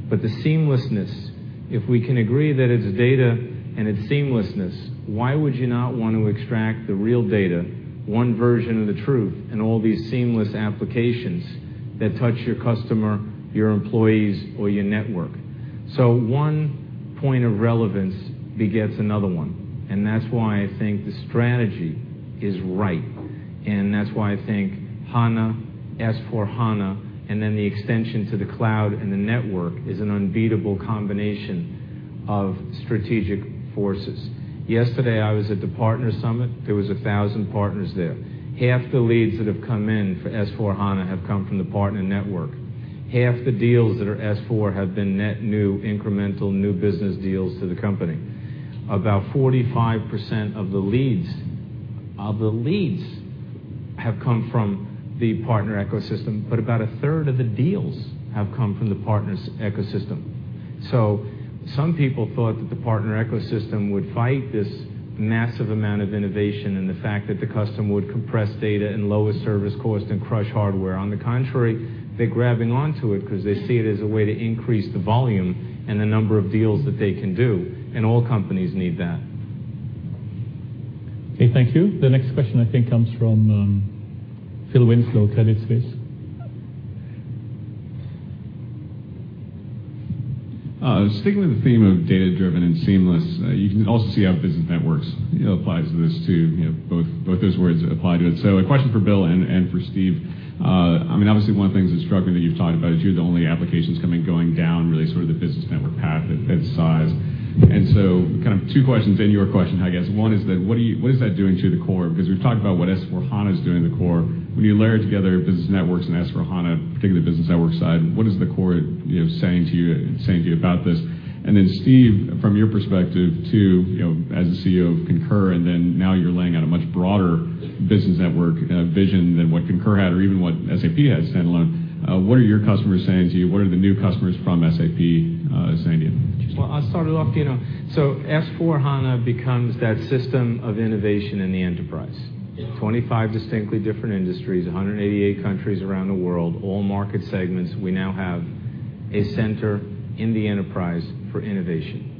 The seamlessness, if we can agree that it's data and it's seamlessness, why would you not want to extract the real data, one version of the truth, and all these seamless applications that touch your customer, your employees, or your network? One point of relevance begets another one, and that's why I think the strategy is right. That's why I think HANA, S/4HANA, and then the extension to the cloud and the network is an unbeatable combination of strategic forces. Yesterday, I was at the partner summit. There was 1,000 partners there. Half the leads that have come in for S/4HANA have come from the partner network. Half the deals that are S/4 have been net new, incremental new business deals to the company. About 45% of the leads have come from the partner ecosystem, but about a third of the deals have come from the partners' ecosystem. Some people thought that the partner ecosystem would fight this massive amount of innovation and the fact that the customer would compress data and lower service cost and crush hardware. On the contrary, they're grabbing onto it because they see it as a way to increase the volume and the number of deals that they can do, and all companies need that. Okay, thank you. The next question, I think comes from Phil Winslow, Credit Suisse. Sticking with the theme of data-driven and seamless, you can also see how business networks applies to this too. Both those words apply to it. A question for Bill and for Steve. Obviously, one of the things that struck me that you've talked about is you have the only applications coming, going down really sort of the business network path at size. Two questions in your question, I guess. One is that, what is that doing to the core? Because we've talked about what S/4HANA is doing to the core. When you layer together business networks and S/4HANA, particularly the business network side, what is the core saying to you about this? Steve, from your perspective too, as the CEO of Concur, and then now you're laying out a much broader business network vision than what Concur had or even what SAP had standalone. What are your customers saying to you? What are the new customers from SAP saying to you? Well, I'll start it off. S/4HANA becomes that system of innovation in the enterprise. 25 distinctly different industries, 188 countries around the world, all market segments, we now have a center in the enterprise for innovation.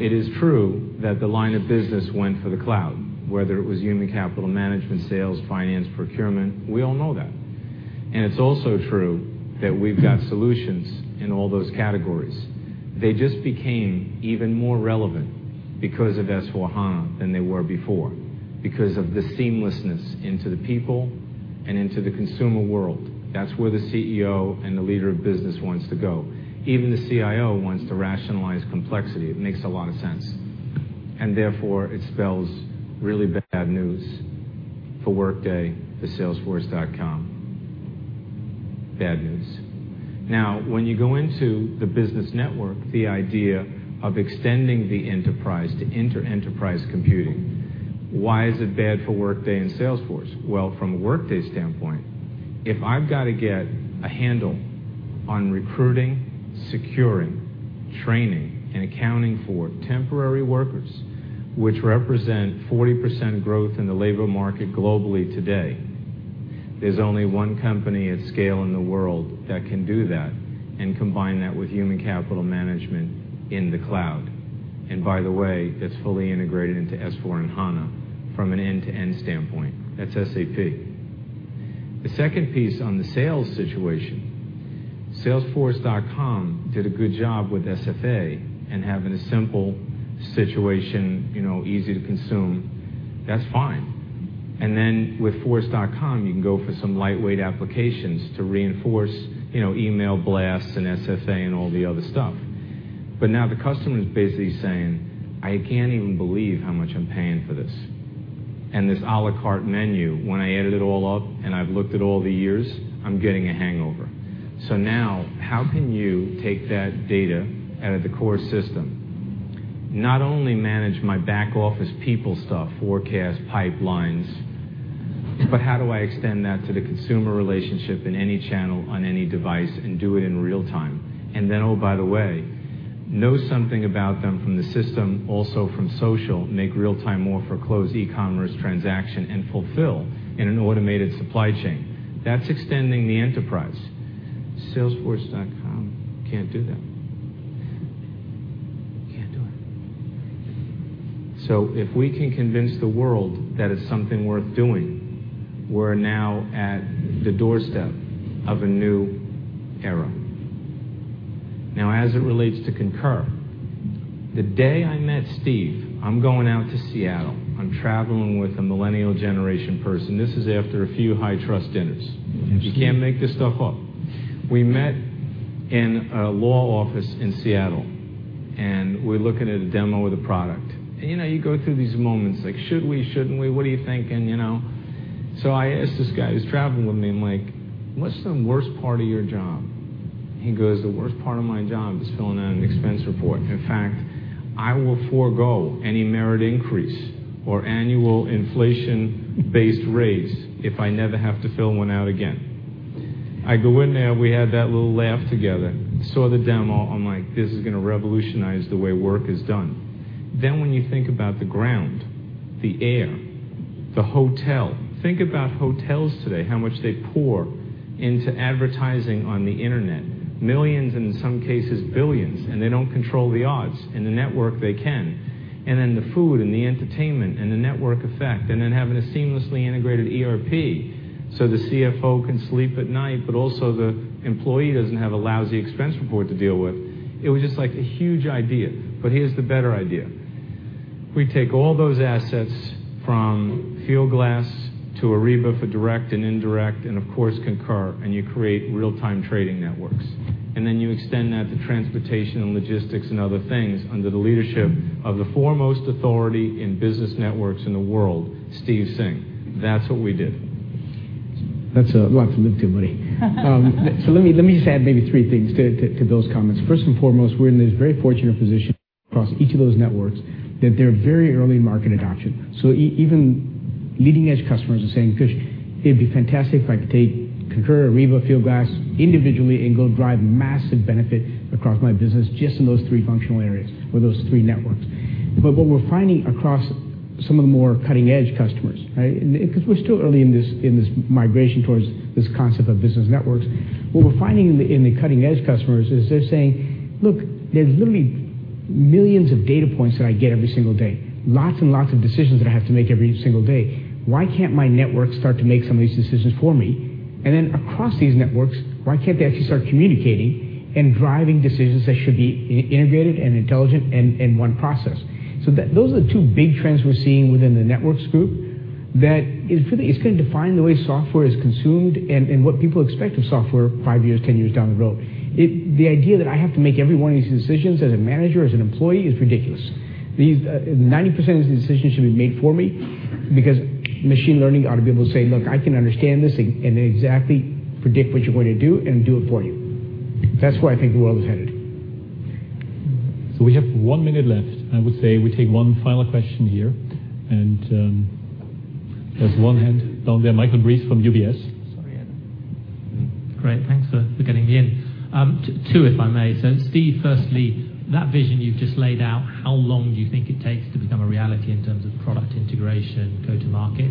It is true that the line of business went for the cloud, whether it was human capital management, sales, finance, procurement. We all know that. It's also true that we've got solutions in all those categories. They just became even more relevant because of S/4HANA than they were before, because of the seamlessness into the people and into the consumer world. That's where the CEO and the leader of business wants to go. Even the CIO wants to rationalize complexity. It makes a lot of sense. Therefore, it spells really bad news for Workday, for salesforce.com. Bad news. When you go into the business network, the idea of extending the enterprise to inter-enterprise computing, why is it bad for Workday and Salesforce? Well, from a Workday standpoint, if I've got to get a handle on recruiting, securing, training, and accounting for temporary workers, which represent 40% growth in the labor market globally today, there's only one company at scale in the world that can do that and combine that with human capital management in the cloud. By the way, that's fully integrated into S/4HANA from an end-to-end standpoint. That's SAP. The second piece on the sales situation, salesforce.com did a good job with SFA and having a simple situation, easy to consume. That's fine. Then with force.com, you can go for some lightweight applications to reinforce email blasts and SFA and all the other stuff. Now the customer's basically saying, "I can't even believe how much I'm paying for this. This à la carte menu, when I add it all up and I've looked at all the years, I'm getting a hangover." Now, how can you take that data out of the core system, not only manage my back office people stuff, forecast, pipelines, but how do I extend that to the consumer relationship in any channel, on any device, and do it in real time? Then, oh, by the way, know something about them from the system, also from social, make real time offer, close e-commerce transaction, and fulfill in an automated supply chain. That's extending the enterprise. Salesforce.com can't do that. Can't do it. If we can convince the world that it's something worth doing, we're now at the doorstep of a new era. As it relates to Concur, the day I met Steve, I'm going out to Seattle. I'm traveling with a millennial generation person. This is after a few high trust dinners. You can't make this stuff up. We met in a law office in Seattle, we're looking at a demo of the product. You go through these moments like, "Should we? Shouldn't we? What are you thinking?" I asked this guy who's traveling with me, I'm like, "What's the worst part of your job?" He goes, "The worst part of my job is filling out an expense report. In fact, I will forego any merit increase or annual inflation-based raise if I never have to fill one out again." I go in there, we had that little laugh together, saw the demo. I'm like, "This is going to revolutionize the way work is done." When you think about the ground, the air, the hotel. Think about hotels today, how much they pour into advertising on the internet. Millions, in some cases, billions, they don't control the odds. In the network, they can. The food and the entertainment and the network effect, having a seamlessly integrated ERP, so the CFO can sleep at night, but also the employee doesn't have a lousy expense report to deal with. It was just like a huge idea. Here's the better idea. We take all those assets from Fieldglass to Ariba for direct and indirect, of course, Concur, you create real-time trading networks. You extend that to transportation and logistics and other things under the leadership of the foremost authority in business networks in the world, Steve Singh. That's what we did. That's a lot to live up to, buddy. Let me just add maybe three things to those comments. First and foremost, we're in this very fortunate position across each of those networks that they're very early in market adoption. Even leading edge customers are saying, "[good] it'd be fantastic if I could take Concur, Ariba, Fieldglass individually and go drive massive benefit across my business just in those three functional areas or those three networks." What we're finding across some of the more cutting edge customers, because we're still early in this migration towards this concept of business networks. What we're finding in the cutting edge customers is they're saying, "Look, there's literally Millions of data points that I get every single day. Lots and lots of decisions that I have to make every single day. Why can't my network start to make some of these decisions for me? Across these networks, why can't they actually start communicating and driving decisions that should be integrated and intelligent in one process? Those are the two big trends we're seeing within the networks group that is going to define the way software is consumed and what people expect of software five years, 10 years down the road. The idea that I have to make every one of these decisions as a manager, as an employee, is ridiculous. 90% of these decisions should be made for me because machine learning ought to be able to say, "Look, I can understand this and exactly predict what you're going to do and do it for you." That's where I think the world is headed. We have one minute left. I would say we take one final question here, and there's one hand down there. Michael Briest from UBS. Sorry. Great. Thanks for getting me in. Two, if I may. Steve, firstly, that vision you've just laid out, how long do you think it takes to become a reality in terms of product integration, go to market?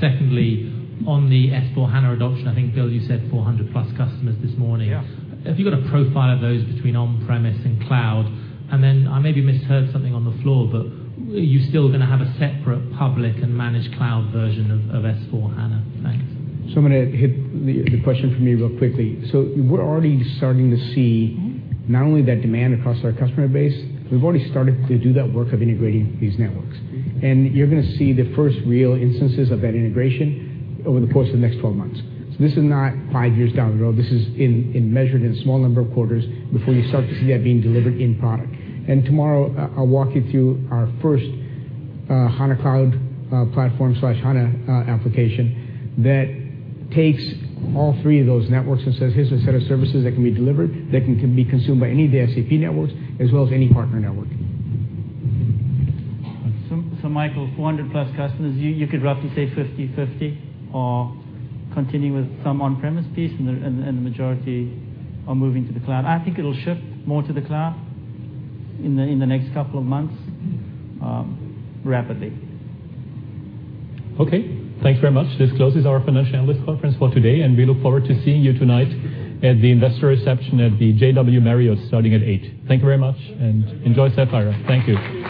Secondly, on the S/4HANA adoption, I think, Bill, you said 400-plus customers this morning. Yeah. Have you got a profile of those between on-premise and cloud? I maybe misheard something on the floor, but are you still going to have a separate public and managed cloud version of S/4HANA? Thanks. I'm going to hit the question for me real quickly. We're already starting to see not only that demand across our customer base, we've already started to do that work of integrating these networks. You're going to see the first real instances of that integration over the course of the next 12 months. This is not five years down the road. This is measured in a small number of quarters before you start to see that being delivered in product. Tomorrow, I'll walk you through our first HANA Cloud Platform/HANA application that takes all three of those networks and says, "Here's a set of services that can be delivered, that can be consumed by any of the SAP networks, as well as any partner network. Michael, 400-plus customers, you could roughly say 50/50 are continuing with some on-premise piece and the majority are moving to the cloud. I think it'll shift more to the cloud in the next couple of months, rapidly. Okay. Thanks very much. This closes our financial analyst conference for today. We look forward to seeing you tonight at the investor reception at the JW Marriott starting at 8:00. Thank you very much. Enjoy Sapphire. Thank you.